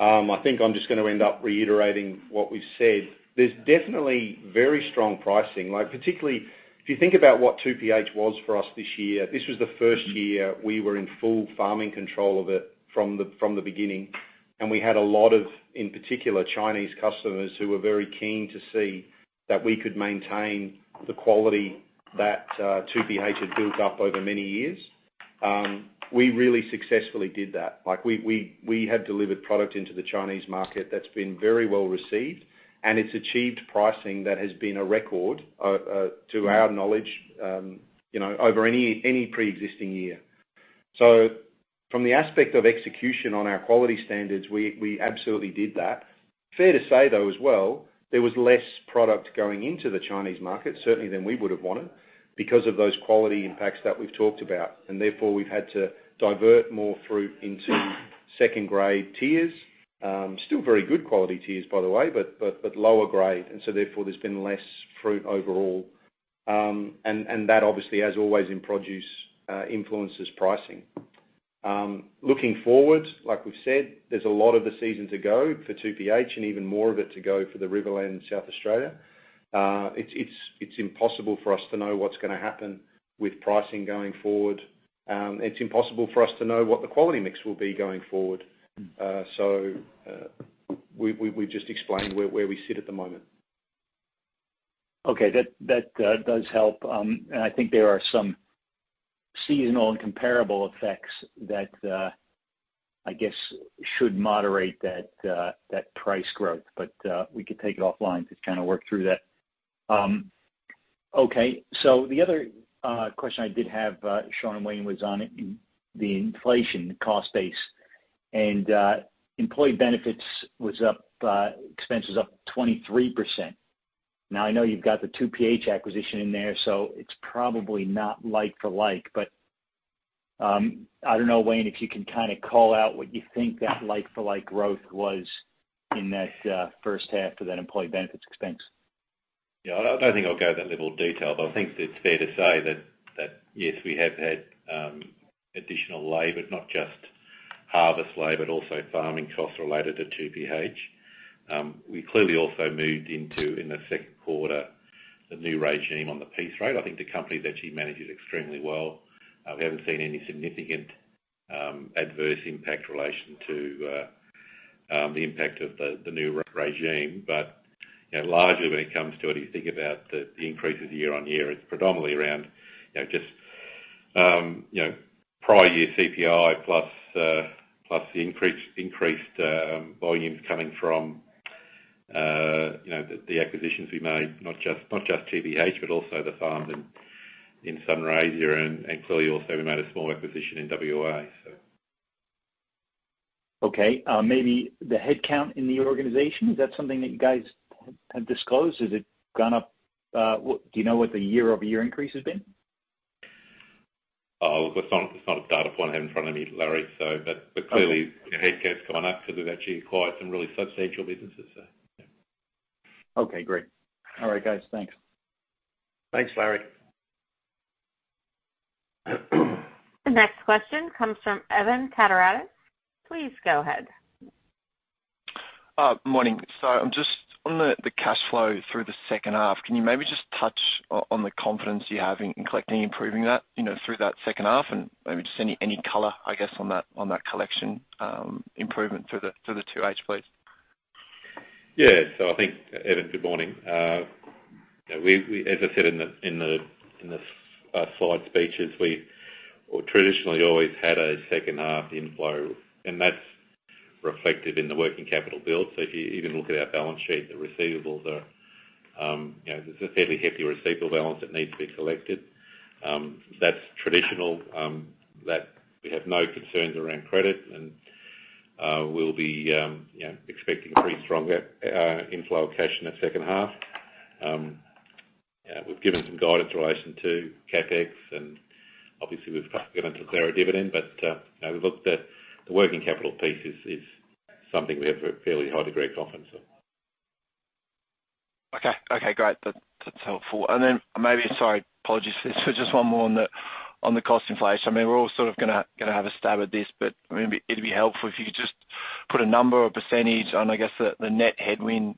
I think I'm just gonna end up reiterating what we've said. There's definitely very strong pricing. Like, particularly, if you think about what 2PH was for us this year, this was the first year we were in full farming control of it from the beginning. We had a lot of, in particular, Chinese customers who were very keen to see that we could maintain the quality that 2PH had built up over many years. We really successfully did that. Like, we have delivered product into the Chinese market that's been very well received, and it's achieved pricing that has been a record to our knowledge, you know, over any preexisting year. From the aspect of execution on our quality standards, we absolutely did that. Fair to say though as well, there was less product going into the Chinese market, certainly than we would've wanted because of those quality impacts that we've talked about. Therefore, we've had to divert more fruit into second grade tiers, still very good quality tiers, by the way, but lower grade. Therefore, there's been less fruit overall. That obviously, as always in produce, influences pricing. Looking forward, like we've said, there's a lot of the season to go for 2PH and even more of it to go for the Riverland in South Australia. It's impossible for us to know what's gonna happen with pricing going forward. It's impossible for us to know what the quality mix will be going forward. We've just explained where we sit at the moment. Okay. That does help. I think there are some seasonal and comparable effects that I guess should moderate that price growth. We can take it offline to kind of work through that. Okay. The other question I did have, Sean and Wayne, was on the inflation cost base, and employee benefits expenses up 23%. Now, I know you've got the 2PH acquisition in there, so it's probably not like for like, but I don't know, Wayne, if you can kinda call out what you think that like for like growth was in that first half for that employee benefits expense. Yeah. I don't think I'll go to that level of detail, but I think it's fair to say that, yes, we have had additional labor, not just harvest labor, but also farming costs related to 2PH. We clearly also moved into, in the second quarter, the new regime on the piece rate. I think the company's actually managed it extremely well. We haven't seen any significant adverse impact related to. The impact of the new regime. You know, largely when it comes to it, you think about the increases year-over-year, it's predominantly around, you know, just prior year CPI plus the increased volumes coming from, you know, the acquisitions we made, not just 2PH, but also the farms in Sunraysia and clearly also we made a small acquisition in WA, so. Okay. Maybe the headcount in the organization, is that something that you guys have disclosed? Has it gone up? Do you know what the year-over-year increase has been? Oh, look, it's not a data point I have in front of me, Larry. Okay. Clearly, the headcount's gone up because we've actually acquired some really substantial businesses, so, yeah. Okay, great. All right, guys. Thanks. Thanks, Larry. The next question comes from Evan Karatzas. Please go ahead. Morning. I'm just on the cash flow through the second half. Can you maybe just touch on the confidence you have in collecting, improving that, you know, through that second half? Maybe just any color, I guess, on that collection improvement through the 2H please. Yeah. I think Evan, good morning. You know, we as I said in the slides, we traditionally always had a second half inflow, and that's reflected in the working capital build. If you even look at our balance sheet, the receivables are, you know, there's a fairly hefty receivable balance that needs to be collected. That's traditional that we have no concerns around credit and we'll be, you know, expecting pretty strong inflow in that second half. Yeah, we've given some guidance in relation to CapEx, and obviously we've got to declare a dividend. You know, we look at the working capital piece is something we have a fairly high degree of confidence in. Okay. Okay, great. That, that's helpful. Maybe. Sorry, apologies for just one more on the cost inflation. I mean, we're all sort of gonna have a stab at this, but maybe it'd be helpful if you could just put a number or percentage on, I guess, the net headwind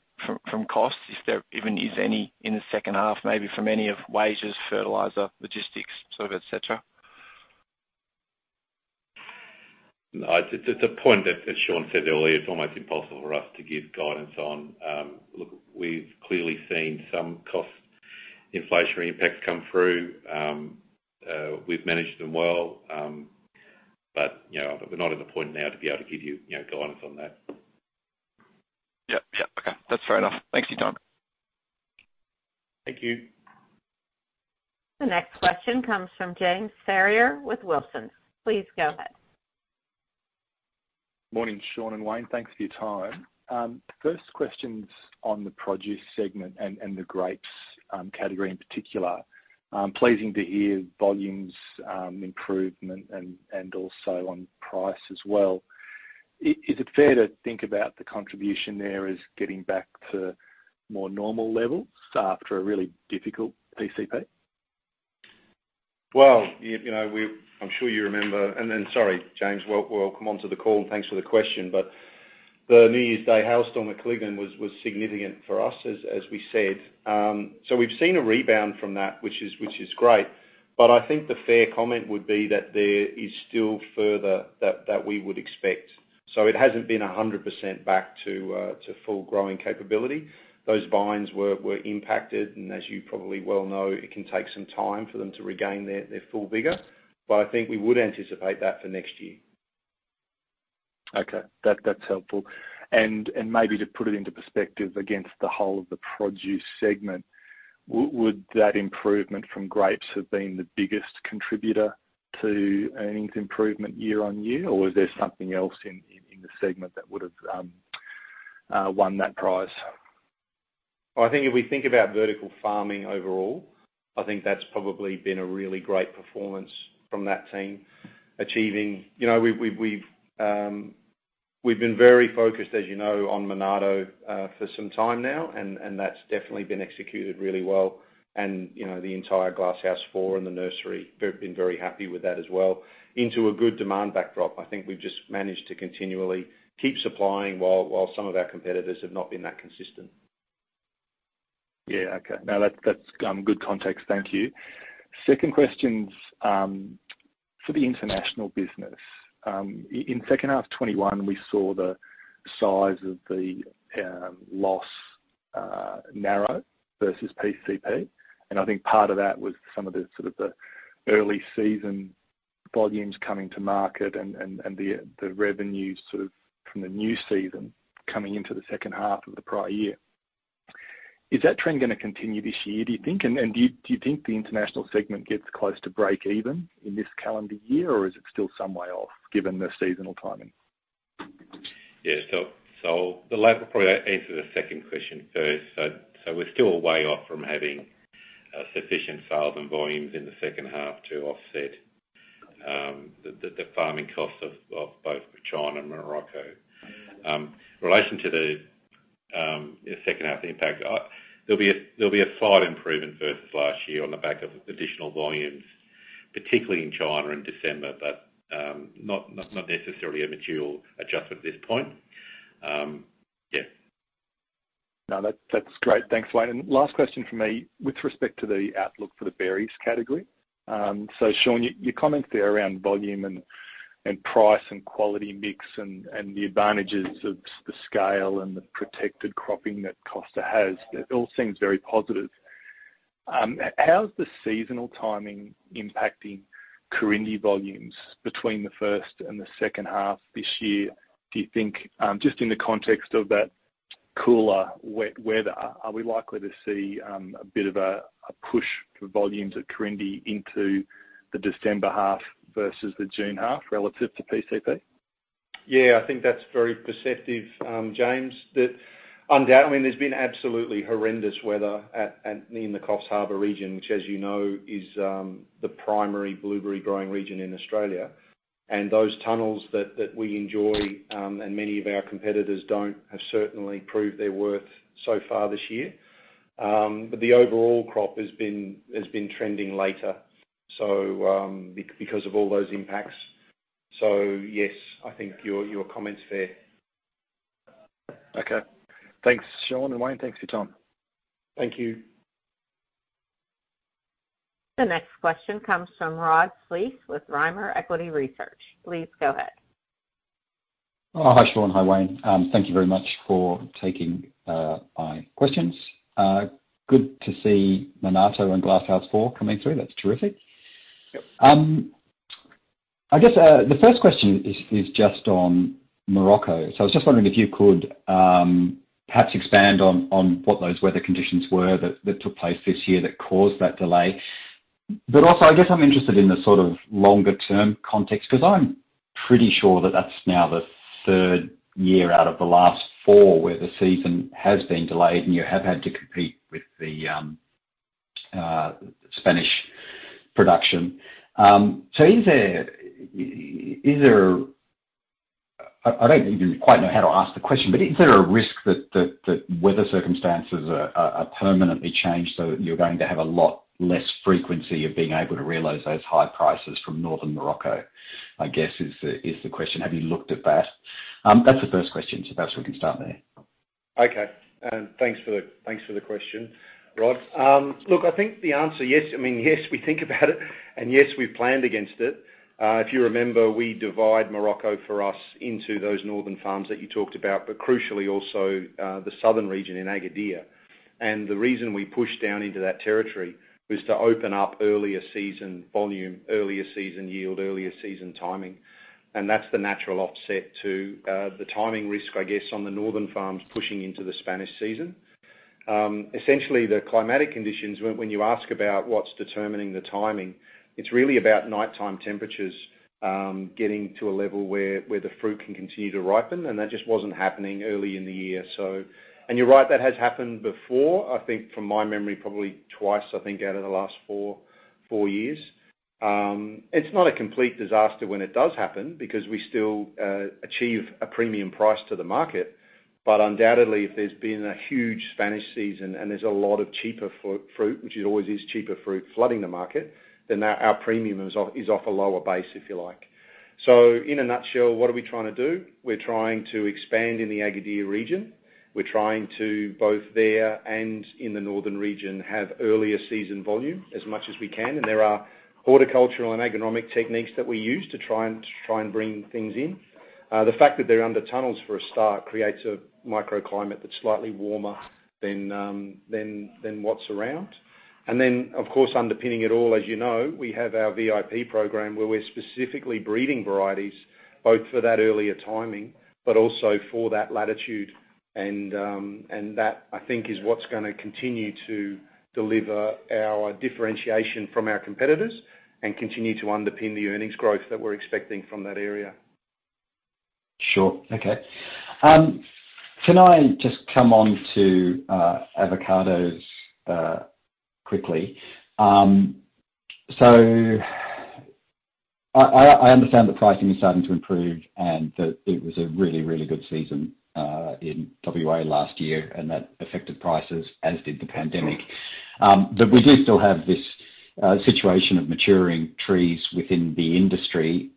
from costs, if there even is any in the second half, maybe from any of wages, fertilizer, logistics, sort of et cetera. No, it's a point that Sean said earlier, it's almost impossible for us to give guidance on. Look, we've clearly seen some cost inflationary impacts come through. We've managed them well, but, you know, we're not at the point now to be able to give you know, guidance on that. Yep. Yep. Okay, that's fair enough. Thanks for your time. Thank you. The next question comes from James Ferrier with Wilsons. Please go ahead. Morning, Sean and Wayne. Thanks for your time. First question's on the produce segment and the grapes category in particular. Pleasing to hear volumes improvement and also on price as well. Is it fair to think about the contribution there as getting back to more normal levels after a really difficult PCP? Well, you know, I'm sure you remember. Sorry, James. Welcome onto the call, and thanks for the question. The New Year's Day hail storm at Colignan was significant for us, as we said. We've seen a rebound from that, which is great. I think the fair comment would be that there is still further that we would expect. It hasn't been 100% back to full growing capability. Those vines were impacted, and as you probably well know, it can take some time for them to regain their full vigor. I think we would anticipate that for next year. Okay. That's helpful. Maybe to put it into perspective against the whole of the produce segment, would that improvement from grapes have been the biggest contributor to earnings improvement year on year? Or was there something else in the segment that would've won that prize? I think if we think about vertical farming overall, I think that's probably been a really great performance from that team. You know, we've been very focused, as you know, on Monarto, for some time now, and that's definitely been executed really well. You know, the entire Glasshouse Four and the nursery, we've been very happy with that as well. Into a good demand backdrop. I think we've just managed to continually keep supplying while some of our competitors have not been that consistent. Yeah. Okay. No, that's good context. Thank you. Second question's for the international business. In second half 2021, we saw the size of the loss narrow versus PCP, and I think part of that was some of the sort of the early season volumes coming to market and the revenues sort of from the new season coming into the second half of the prior year. Is that trend gonna continue this year, do you think? Do you think the international segment gets close to breakeven in this calendar year, or is it still some way off given the seasonal timing? The latter will probably answer the second question first. We're still way off from having sufficient sales and volumes in the second half to offset the farming costs of both for China and Morocco. In relation to the second half impact, there'll be a slight improvement versus last year on the back of additional volumes, particularly in China in December, but not necessarily a material adjustment at this point. No, that's great. Thanks, Wayne. Last question for me. With respect to the outlook for the berries category, Sean, your comments there around volume and price and quality mix and the advantages of the scale and the protected cropping that Costa has, it all seems very positive. How's the seasonal timing impacting Corindi volumes between the first and the second half this year, do you think? Just in the context of that cooler, wet weather, are we likely to see a bit of a push for volumes at Corindi into the December half versus the June half relative to PCP? Yeah, I think that's very perceptive, James. That undoubtedly there's been absolutely horrendous weather in the Coffs Harbour region, which as you know, is the primary blueberry growing region in Australia. Those tunnels that we enjoy, and many of our competitors don't, have certainly proved their worth so far this year. The overall crop has been trending later, so because of all those impacts. Yes, I think your comment's fair. Okay. Thanks, Sean and Wayne. Thanks for your time. Thank you. The next question comes from Rod Gillies with Rimer Equity Research. Please go ahead. Oh, hi, Sean. Hi, Wayne. Thank you very much for taking my questions. Good to see Monarto and Glasshouse four coming through. That's terrific. Yep. I guess the first question is just on Morocco. I was just wondering if you could perhaps expand on what those weather conditions were that took place this year that caused that delay. Also, I guess I'm interested in the sort of longer term context, 'cause I'm pretty sure that that's now the third year out of the last four, where the season has been delayed, and you have had to compete with the Spanish production. I don't even quite know how to ask the question, but is there a risk that weather circumstances are permanently changed so that you're going to have a lot less frequency of being able to realize those high prices from Northern Morocco, I guess, is the question. Have you looked at that? That's the first question, so perhaps we can start there. Okay. Thanks for the question, Rod. Look, I think the answer, yes. I mean, yes, we think about it and yes, we've planned against it. If you remember, we divide Morocco for us into those northern farms that you talked about, but crucially also the southern region in Agadir. The reason we pushed down into that territory was to open up earlier season volume, earlier season yield, earlier season timing. That's the natural offset to the timing risk, I guess, on the northern farms pushing into the Spanish season. Essentially, the climatic conditions when you ask about what's determining the timing, it's really about nighttime temperatures getting to a level where the fruit can continue to ripen, and that just wasn't happening early in the year. You're right, that has happened before. I think from my memory, probably twice, I think, out of the last four years. It's not a complete disaster when it does happen because we still achieve a premium price to the market. But undoubtedly, if there's been a huge Spanish season and there's a lot of cheaper fruit, which it always is cheaper fruit flooding the market, then our premium is off a lower base, if you like. In a nutshell, what are we trying to do? We're trying to expand in the Agadir region. We're trying to, both there and in the northern region, have earlier season volume as much as we can. There are horticultural and agronomic techniques that we use to try and bring things in. The fact that they're under tunnels for a start creates a microclimate that's slightly warmer than what's around. Then, of course, underpinning it all, as you know, we have our VIP program where we're specifically breeding varieties both for that earlier timing, but also for that latitude. That, I think, is what's gonna continue to deliver our differentiation from our competitors and continue to underpin the earnings growth that we're expecting from that area. Sure. Okay. Can I just come on to avocados quickly? I understand the pricing is starting to improve and that it was a really, really good season in WA last year, and that affected prices, as did the pandemic. We do still have this situation of maturing trees within the industry.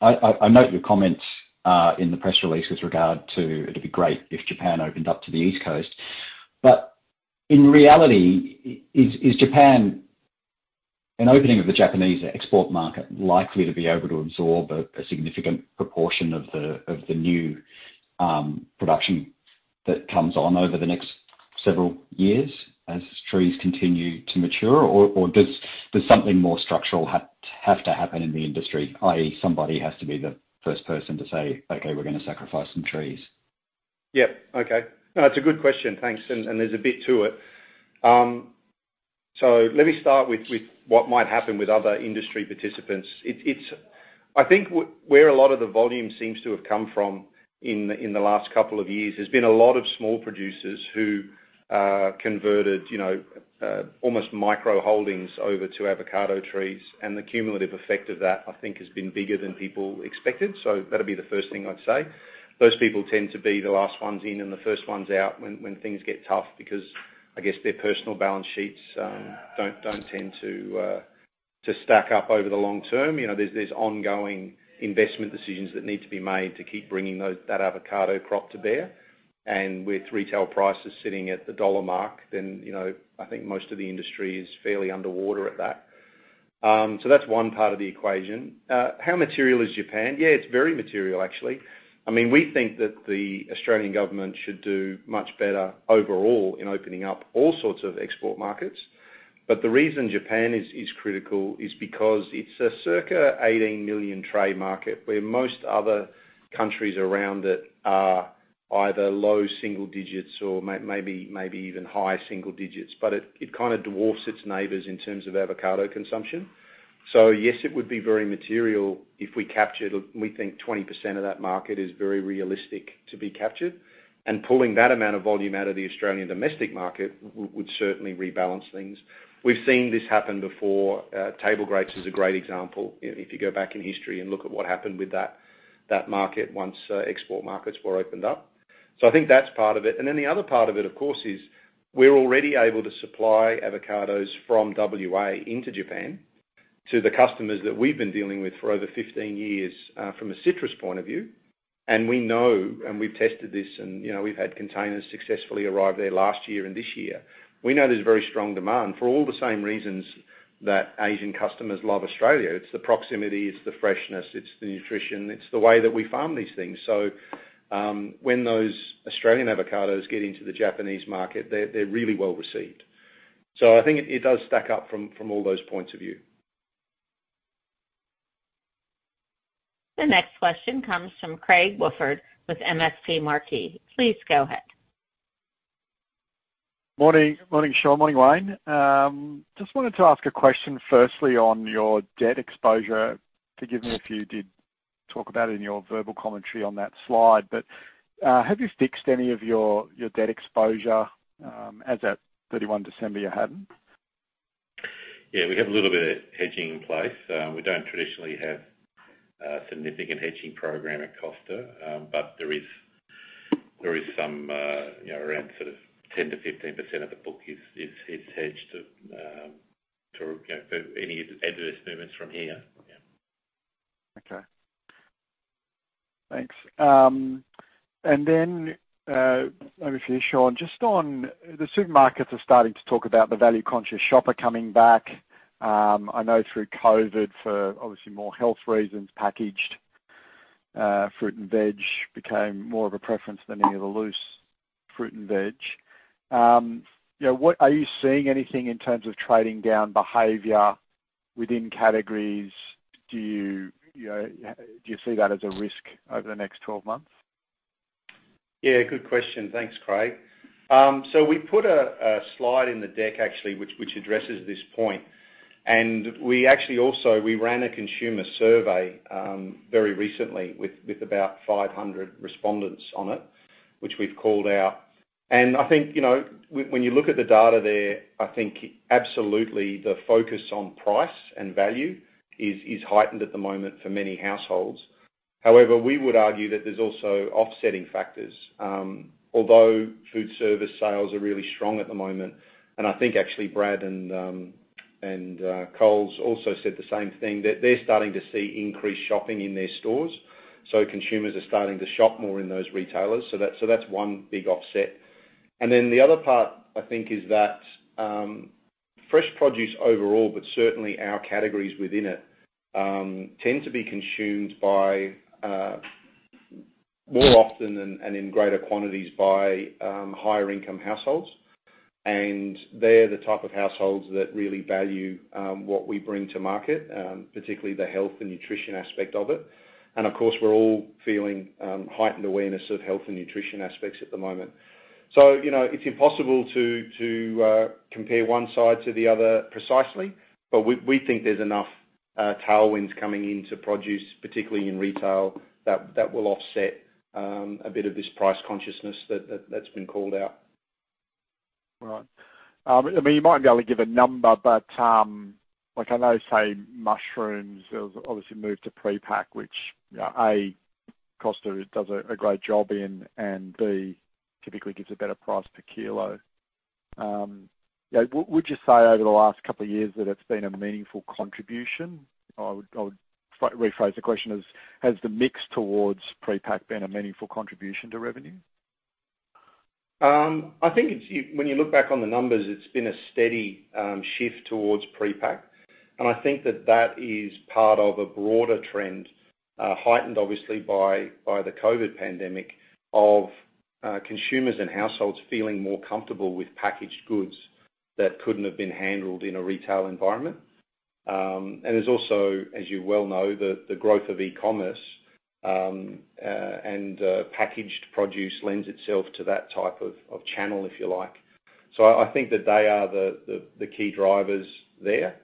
I note your comments in the press release with regard to, it'd be great if Japan opened up to the East Coast. In reality, is Japan an opening of the Japanese export market likely to be able to absorb a significant proportion of the new production that comes on over the next several years as trees continue to mature? Does something more structural have to happen in the industry, i.e., somebody has to be the first person to say, "Okay, we're gonna sacrifice some trees? It's a good question. Thanks. There's a bit to it. Let me start with what might happen with other industry participants. I think where a lot of the volume seems to have come from in the last couple of years, there's been a lot of small producers who converted, you know, almost micro holdings over to avocado trees, and the cumulative effect of that, I think, has been bigger than people expected. That's the first thing I'd say. Those people tend to be the last ones in and the first ones out when things get tough because, I guess, their personal balance sheets don't tend to stack up over the long term. You know, there's ongoing investment decisions that need to be made to keep bringing that avocado crop to bear. With retail prices sitting at the AUD 1 mark, then, you know, I think most of the industry is fairly underwater at that. That's one part of the equation. How material is Japan? Yeah, it's very material actually. I mean, we think that the Australian government should do much better overall in opening up all sorts of export markets. The reason Japan is critical is because it's a circa 18 million trade market, where most other countries around it are either low single digits or maybe even high single digits. It kinda dwarfs its neighbors in terms of avocado consumption. Yes, it would be very material if we captured, we think 20% of that market is very realistic to be captured. Pulling that amount of volume out of the Australian domestic market would certainly rebalance things. We've seen this happen before. Table grapes is a great example if you go back in history and look at what happened with that market once export markets were opened up. I think that's part of it. Then the other part of it, of course, is we're already able to supply avocados from WA into Japan to the customers that we've been dealing with for over 15 years from a citrus point of view. We know, and we've tested this, and you know, we've had containers successfully arrive there last year and this year. We know there's a very strong demand for all the same reasons that Asian customers love Australia. It's the proximity, it's the freshness, it's the nutrition, it's the way that we farm these things. When those Australian avocados get into the Japanese market, they're really well received. I think it does stack up from all those points of view. The next question comes from Craig Woolford with MST Marquee. Please go ahead. Morning. Morning, Sean. Morning, Wayne. Just wanted to ask a question firstly on your debt exposure. Forgive me if you did talk about it in your verbal commentary on that slide, but, have you fixed any of your debt exposure, as at 31 December you hadn't? Yeah, we have a little bit of hedging in place. We don't traditionally have a significant hedging program at Costa, but there is some, you know, around sort of 10%-15% of the book is hedged to, you know, for any adverse movements from here. Yeah. Okay. Thanks. Maybe for you, Sean, just on the supermarkets are starting to talk about the value-conscious shopper coming back. I know through COVID, for obviously more health reasons, packaged fruit and veg became more of a preference than any of the loose fruit and veg. You know, are you seeing anything in terms of trading down behavior within categories? Do you know, do you see that as a risk over the next twelve months? Yeah, good question. Thanks, Craig. We put a slide in the deck actually, which addresses this point. We actually also ran a consumer survey very recently with about 500 respondents on it, which we've called out. I think, you know, when you look at the data there, I think absolutely the focus on price and value is heightened at the moment for many households. However, we would argue that there's also offsetting factors. Although food service sales are really strong at the moment, and I think actually Brad and Coles also said the same thing, that they're starting to see increased shopping in their stores. Consumers are starting to shop more in those retailers. That's one big offset. Then the other part, I think, is that, fresh produce overall, but certainly our categories within it, tend to be consumed by, more often and in greater quantities by, higher income households. They're the type of households that really value, what we bring to market, particularly the health and nutrition aspect of it. Of course, we're all feeling, heightened awareness of health and nutrition aspects at the moment. You know, it's impossible to compare one side to the other precisely, but we think there's enough, tailwinds coming into produce, particularly in retail, that will offset, a bit of this price consciousness that's been called out. Right. I mean, you might be able to give a number, but, like I know, say, mushrooms obviously moved to prepack, which, you know, A, Costa does a great job in, and B, typically gives a better price per kilo. You know, would you say over the last couple of years that it's been a meaningful contribution? I would rephrase the question as, has the mix towards prepack been a meaningful contribution to revenue? I think it's when you look back on the numbers, it's been a steady shift towards prepack. I think that is part of a broader trend, heightened obviously by the COVID pandemic, of consumers and households feeling more comfortable with packaged goods that couldn't have been handled in a retail environment. There's also, as you well know, the growth of e-commerce, and packaged produce lends itself to that type of channel, if you like. I think that they are the key drivers there.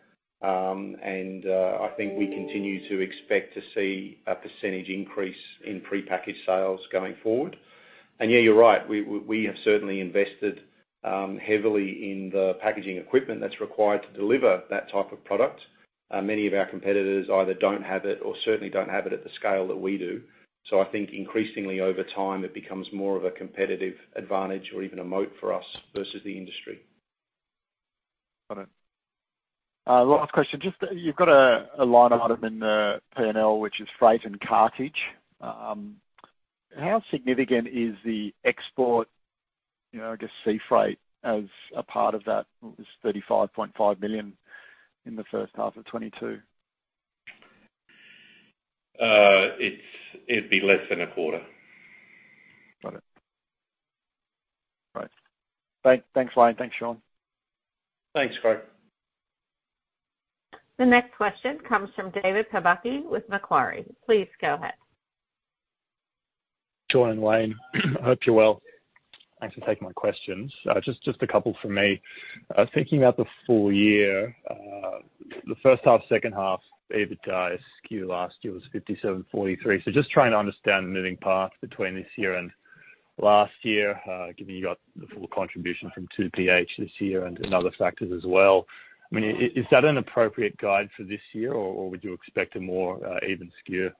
I think we continue to expect to see a percentage increase in prepackaged sales going forward. Yeah, you're right. We have certainly invested heavily in the packaging equipment that's required to deliver that type of product. Many of our competitors either don't have it or certainly don't have it at the scale that we do. I think increasingly over time, it becomes more of a competitive advantage or even a moat for us versus the industry. Got it. Last question. Just, you've got a line item in the P&L which is freight and cartage. How significant is the export, you know, I guess sea freight as a part of that? It was 35.5 million in the first half of 2022. It'd be less than a quarter. Got it. Right. Thanks, Wayne. Thanks, Sean. Thanks, Craig. The next question comes from David Pobucky with Macquarie. Please go ahead. Sean and Wayne, I hope you're well. Thanks for taking my questions. Just a couple from me. Thinking about the full year, the first half, second half, EBITDA SKU last year was 57%-43%. Just trying to understand the moving parts between this year and last year, given you got the full contribution from 2PH this year and other factors as well. I mean, is that an appropriate guide for this year, or would you expect a more even SKU?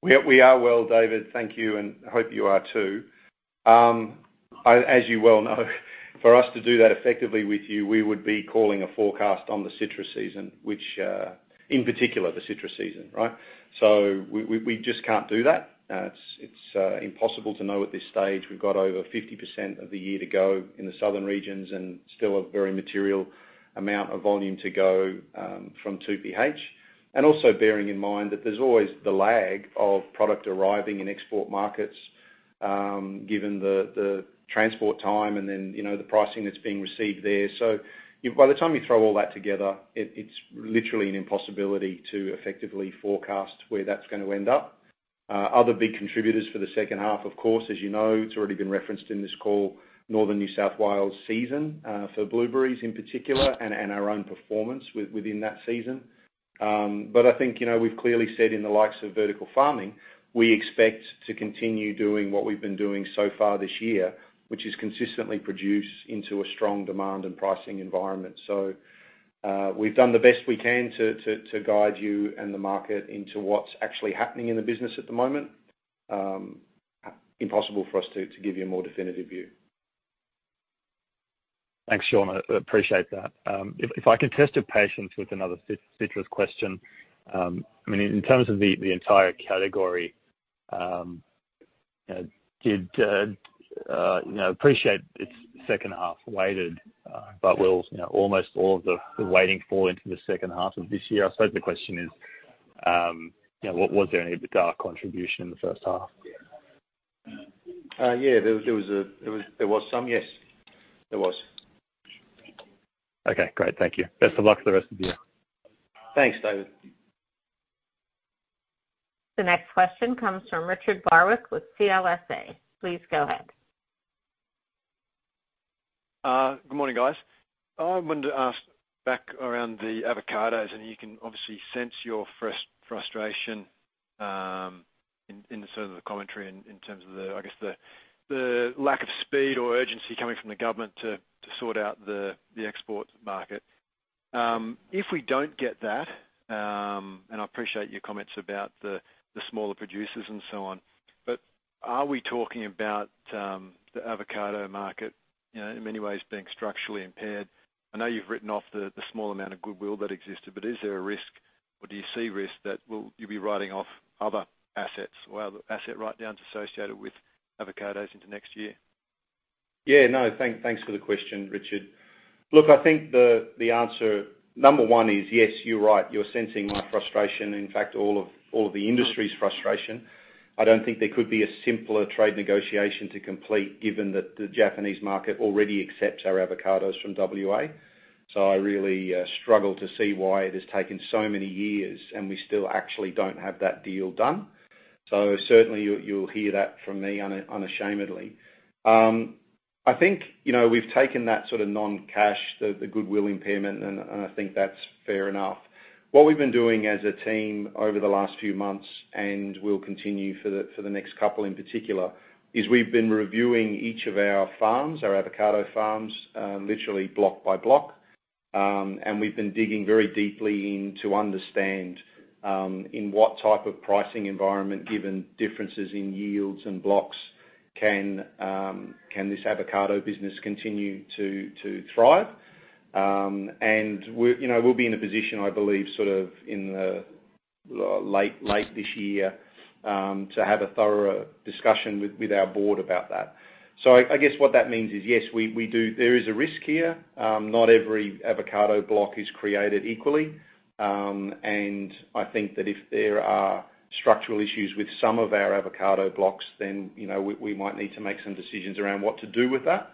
We are well, David. Thank you, and hope you are too. As you well know, for us to do that effectively with you, we would be calling a forecast on the citrus season, which, in particular, the citrus season, right? We just can't do that. It's impossible to know at this stage. We've got over 50% of the year to go in the southern regions and still a very material amount of volume to go from 2PH. Also bearing in mind that there's always the lag of product arriving in export markets, given the transport time and then, you know, the pricing that's being received there. By the time you throw all that together, it's literally an impossibility to effectively forecast where that's gonna end up. Other big contributors for the second half, of course, as you know, it's already been referenced in this call, Northern New South Wales season, for blueberries in particular, and our own performance within that season. I think, you know, we've clearly said in the likes of vertical farming, we expect to continue doing what we've been doing so far this year, which is consistently produce into a strong demand and pricing environment. We've done the best we can to guide you and the market into what's actually happening in the business at the moment. Impossible for us to give you a more definitive view. Thanks, Sean. I appreciate that. If I could test your patience with another citrus question. I mean, in terms of the entire category, you know, appreciate it's second half weighted, but will, you know, almost all of the weighting fall into the second half of this year? I suppose the question is, you know, was there any EBITDA contribution in the first half? Yeah, there was some, yes. There was. Okay, great. Thank you. Best of luck for the rest of the year. Thanks, David. The next question comes from Richard Barwick with CLSA. Please go ahead. Good morning, guys. I wanted to ask back around the avocados, and you can obviously sense your frustration in sort of the commentary in terms of the, I guess the lack of speed or urgency coming from the government to sort out the export market. If we don't get that, and I appreciate your comments about the smaller producers and so on. Are we talking about the avocado market, you know, in many ways being structurally impaired? I know you've written off the small amount of goodwill that existed, but is there a risk, or do you see risk that you'll be writing off other assets or other asset write-downs associated with avocados into next year? Yeah, no. Thanks for the question, Richard. Look, I think the answer, number one is yes, you're right. You're sensing my frustration. In fact, all of the industry's frustration. I don't think there could be a simpler trade negotiation to complete given that the Japanese market already accepts our avocados from WA. So I really struggle to see why it has taken so many years, and we still actually don't have that deal done. So certainly you'll hear that from me unashamedly. I think, you know, we've taken that sort of non-cash, the goodwill impairment, and I think that's fair enough. What we've been doing as a team over the last few months, and we'll continue for the next couple in particular, is we've been reviewing each of our farms, our avocado farms, literally block by block. We've been digging very deeply into to understand in what type of pricing environment, given differences in yields and blocks, can this avocado business continue to thrive. You know, we'll be in a position, I believe, sort of in the late this year, to have a thorough discussion with our board about that. I guess what that means is, yes, we do. There is a risk here. Not every avocado block is created equally. I think that if there are structural issues with some of our avocado blocks, then, you know, we might need to make some decisions around what to do with that.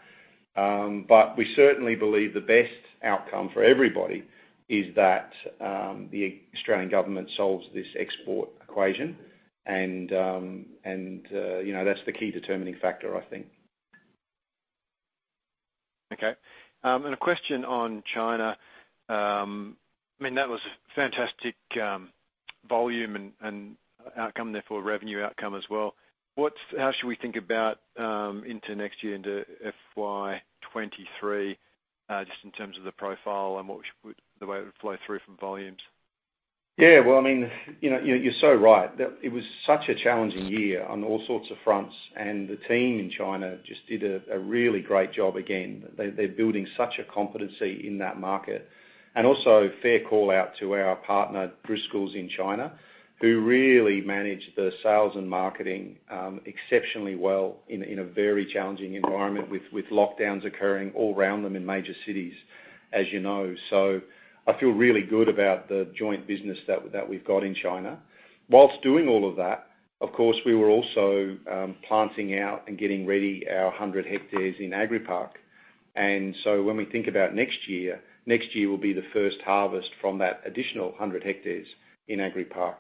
We certainly believe the best outcome for everybody is that the Australian government solves this export equation. You know, that's the key determining factor, I think. Okay. A question on China. I mean, that was fantastic volume and outcome, therefore revenue outcome as well. How should we think about into next year, into FY 2023, just in terms of the profile and the way it would flow through from volumes? Yeah. Well, I mean, you know, you're so right. That it was such a challenging year on all sorts of fronts, and the team in China just did a really great job again. They're building such a competency in that market. Also, fair call-out to our partner, Driscoll's in China, who really managed the sales and marketing exceptionally well in a very challenging environment with lockdowns occurring all around them in major cities, as you know. I feel really good about the joint business that we've got in China. Whilst doing all of that, of course, we were also planting out and getting ready our 100 hectares in Agri Park. When we think about next year, next year will be the first harvest from that additional 100 hectares in Agri Park.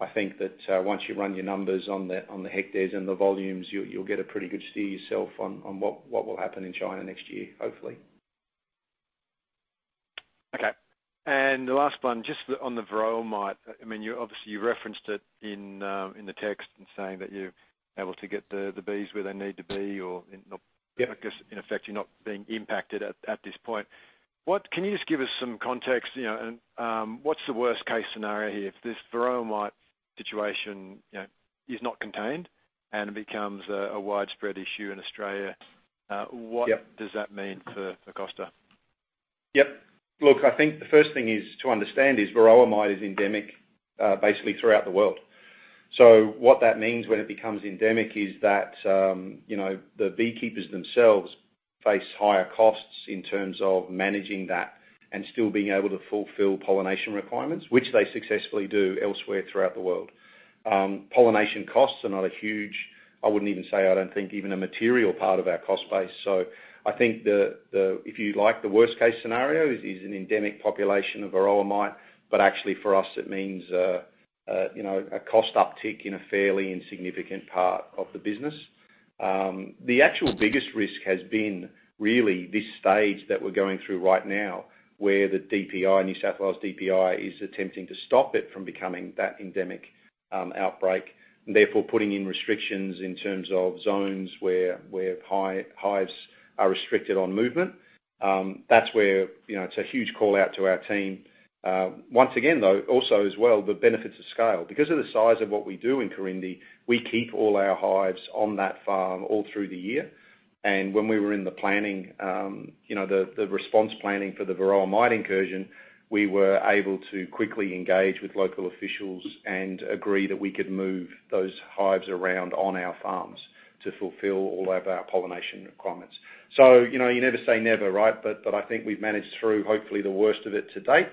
I think that once you run your numbers on the hectares and the volumes, you'll get a pretty good steer yourself on what will happen in China next year, hopefully. Okay. The last one, just on the Varroa mite. I mean, you obviously referenced it in the text in saying that you're able to get the bees where they need to be or not? Yeah. Because in effect, you're not being impacted at this point. Can you just give us some context, you know, and what's the worst-case scenario here? If this Varroa mite situation, you know, is not contained and becomes a widespread issue in Australia, Yeah. What does that mean for Costa? Yep. Look, I think the first thing is to understand is Varroa mite is endemic, basically throughout the world. What that means when it becomes endemic is that, you know, the beekeepers themselves face higher costs in terms of managing that and still being able to fulfill pollination requirements, which they successfully do elsewhere throughout the world. Pollination costs are not a huge, I wouldn't even say, I don't think even a material part of our cost base. I think the, if you like, the worst case scenario is an endemic population of Varroa mite, but actually for us, it means, you know, a cost uptick in a fairly insignificant part of the business. The actual biggest risk has been really this stage that we're going through right now, where the DPI, New South Wales DPI, is attempting to stop it from becoming that endemic outbreak, and therefore putting in restrictions in terms of zones where high-risk hives are restricted on movement. That's where, you know, it's a huge call-out to our team. Once again, though, also as well, the benefits of scale. Because of the size of what we do in Corindi, we keep all our hives on that farm all through the year. When we were in the planning, you know, the response planning for the Varroa mite incursion, we were able to quickly engage with local officials and agree that we could move those hives around on our farms to fulfill all of our pollination requirements. You know, you never say never, right? But I think we've managed through, hopefully, the worst of it to date,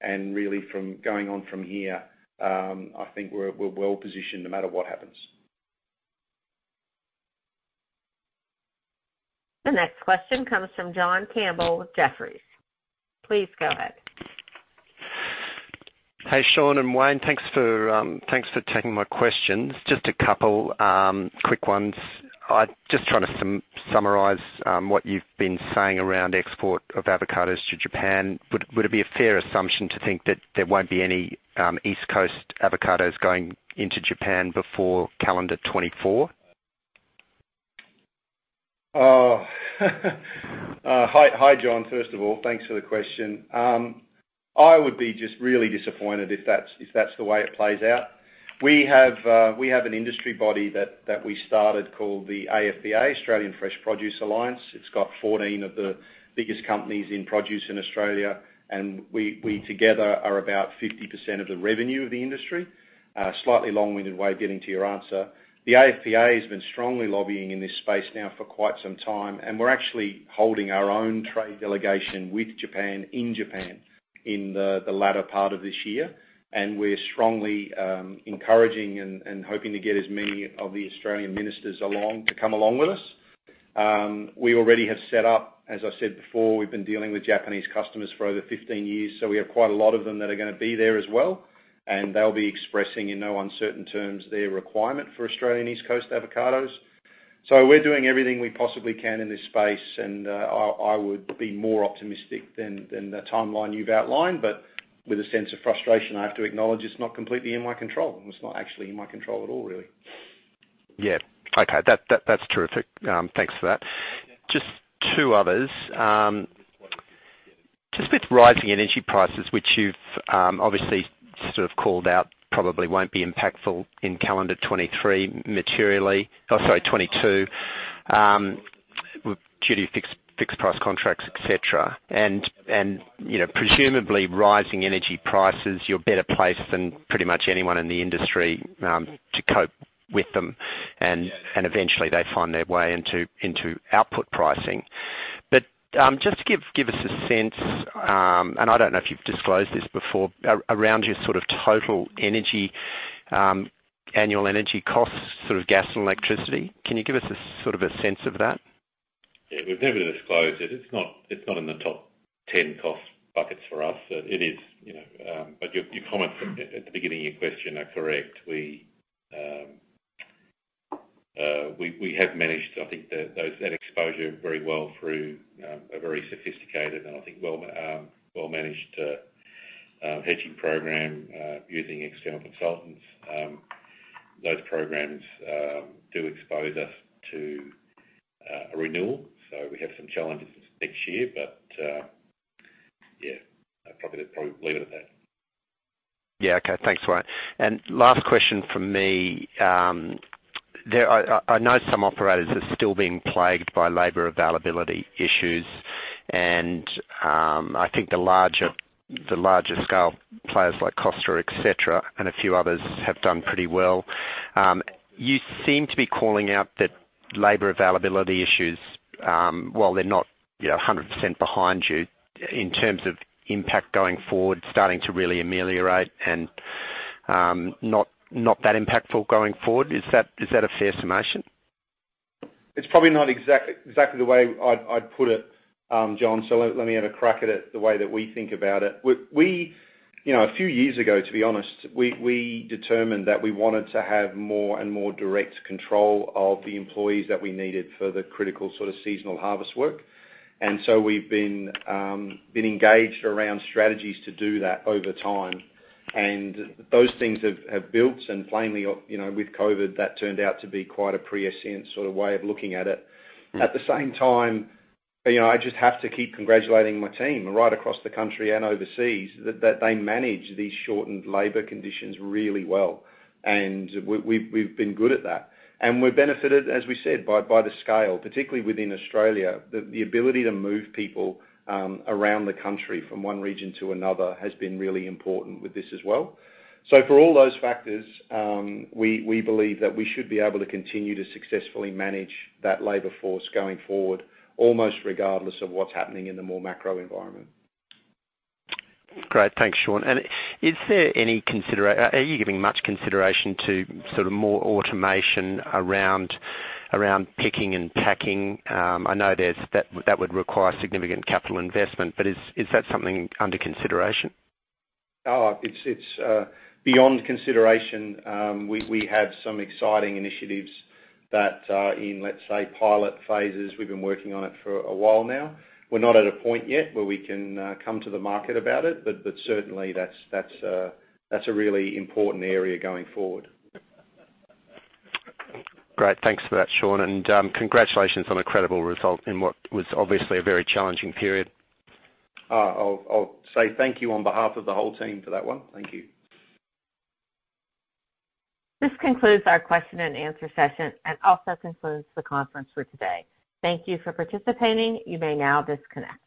and really from going on from here, I think we're well-positioned no matter what happens. The next question comes from John Campbell with Jefferies. Please go ahead. Hey, Sean and Wayne. Thanks for taking my questions. Just a couple quick ones. Just trying to summarize what you've been saying around export of avocados to Japan. Would it be a fair assumption to think that there won't be any East Coast avocados going into Japan before calendar 2024? Hi, John. First of all, thanks for the question. I would be just really disappointed if that's the way it plays out. We have an industry body that we started called the AFPA, Australian Fresh Produce Alliance. It's got 14 of the biggest companies in produce in Australia, and we together are about 50% of the revenue of the industry. Slightly long-winded way of getting to your answer. The AFPA has been strongly lobbying in this space now for quite some time, and we're actually holding our own trade delegation with Japan, in Japan, in the latter part of this year. We're strongly encouraging and hoping to get as many of the Australian ministers along, to come along with us. We already have set up. As I said before, we've been dealing with Japanese customers for over 15 years, so we have quite a lot of them that are gonna be there as well, and they'll be expressing in no uncertain terms their requirement for Australian East Coast avocados. We're doing everything we possibly can in this space, and I would be more optimistic than the timeline you've outlined, but with a sense of frustration, I have to acknowledge it's not completely in my control. It's not actually in my control at all, really. Yeah. Okay. That's terrific. Thanks for that. Just two others. Just with rising energy prices, which you've obviously sort of called out, probably won't be impactful in calendar 2022 materially, with fixed price contracts, et cetera. You know, presumably rising energy prices, you're better placed than pretty much anyone in the industry to cope with them. Eventually they find their way into output pricing. Just give us a sense, and I don't know if you've disclosed this before, around your sort of total energy annual energy costs, sort of gas and electricity. Can you give us a sense of that? Yeah. We've never disclosed it. It's not in the top 10 cost buckets for us. It is, you know, but your comments at the beginning of your question are correct. We have managed, I think, that exposure very well through a very sophisticated and I think well managed hedging program using external consultants. Those programs do expose us to a renewal. We have some challenges next year, but yeah, I'd probably leave it at that. Yeah. Okay. Thanks, Sean. Last question from me. I know some operators are still being plagued by labor availability issues, and I think the larger scale players like Costa, et cetera, and a few others have done pretty well. You seem to be calling out that labor availability issues, while they're not, you know, 100% behind you in terms of impact going forward, starting to really ameliorate and not that impactful going forward. Is that a fair summation? It's probably not exactly the way I'd put it, John, so let me have a crack at it the way that we think about it. We, you know, a few years ago, to be honest, we determined that we wanted to have more and more direct control of the employees that we needed for the critical sort of seasonal harvest work. We've been engaged around strategies to do that over time. Those things have built and plainly, you know, with COVID, that turned out to be quite a prescient sort of way of looking at it. At the same time, you know, I just have to keep congratulating my team right across the country and overseas that they manage these shortened labor conditions really well. We've been good at that. We've benefited, as we said, by the scale, particularly within Australia. The ability to move people around the country from one region to another has been really important with this as well. For all those factors, we believe that we should be able to continue to successfully manage that labor force going forward, almost regardless of what's happening in the more macro environment. Great. Thanks, Sean. Are you giving much consideration to sort of more automation around picking and packing? I know there's that would require significant capital investment, but is that something under consideration? Oh, it's beyond consideration. We have some exciting initiatives that are in, let's say, pilot phases. We've been working on it for a while now. We're not at a point yet where we can come to the market about it. Certainly that's a really important area going forward. Great. Thanks for that, Sean. Congratulations on a credible result in what was obviously a very challenging period. I'll say thank you on behalf of the whole team for that one. Thank you. This concludes our question and answer session, and also concludes the conference for today. Thank you for participating. You may now disconnect.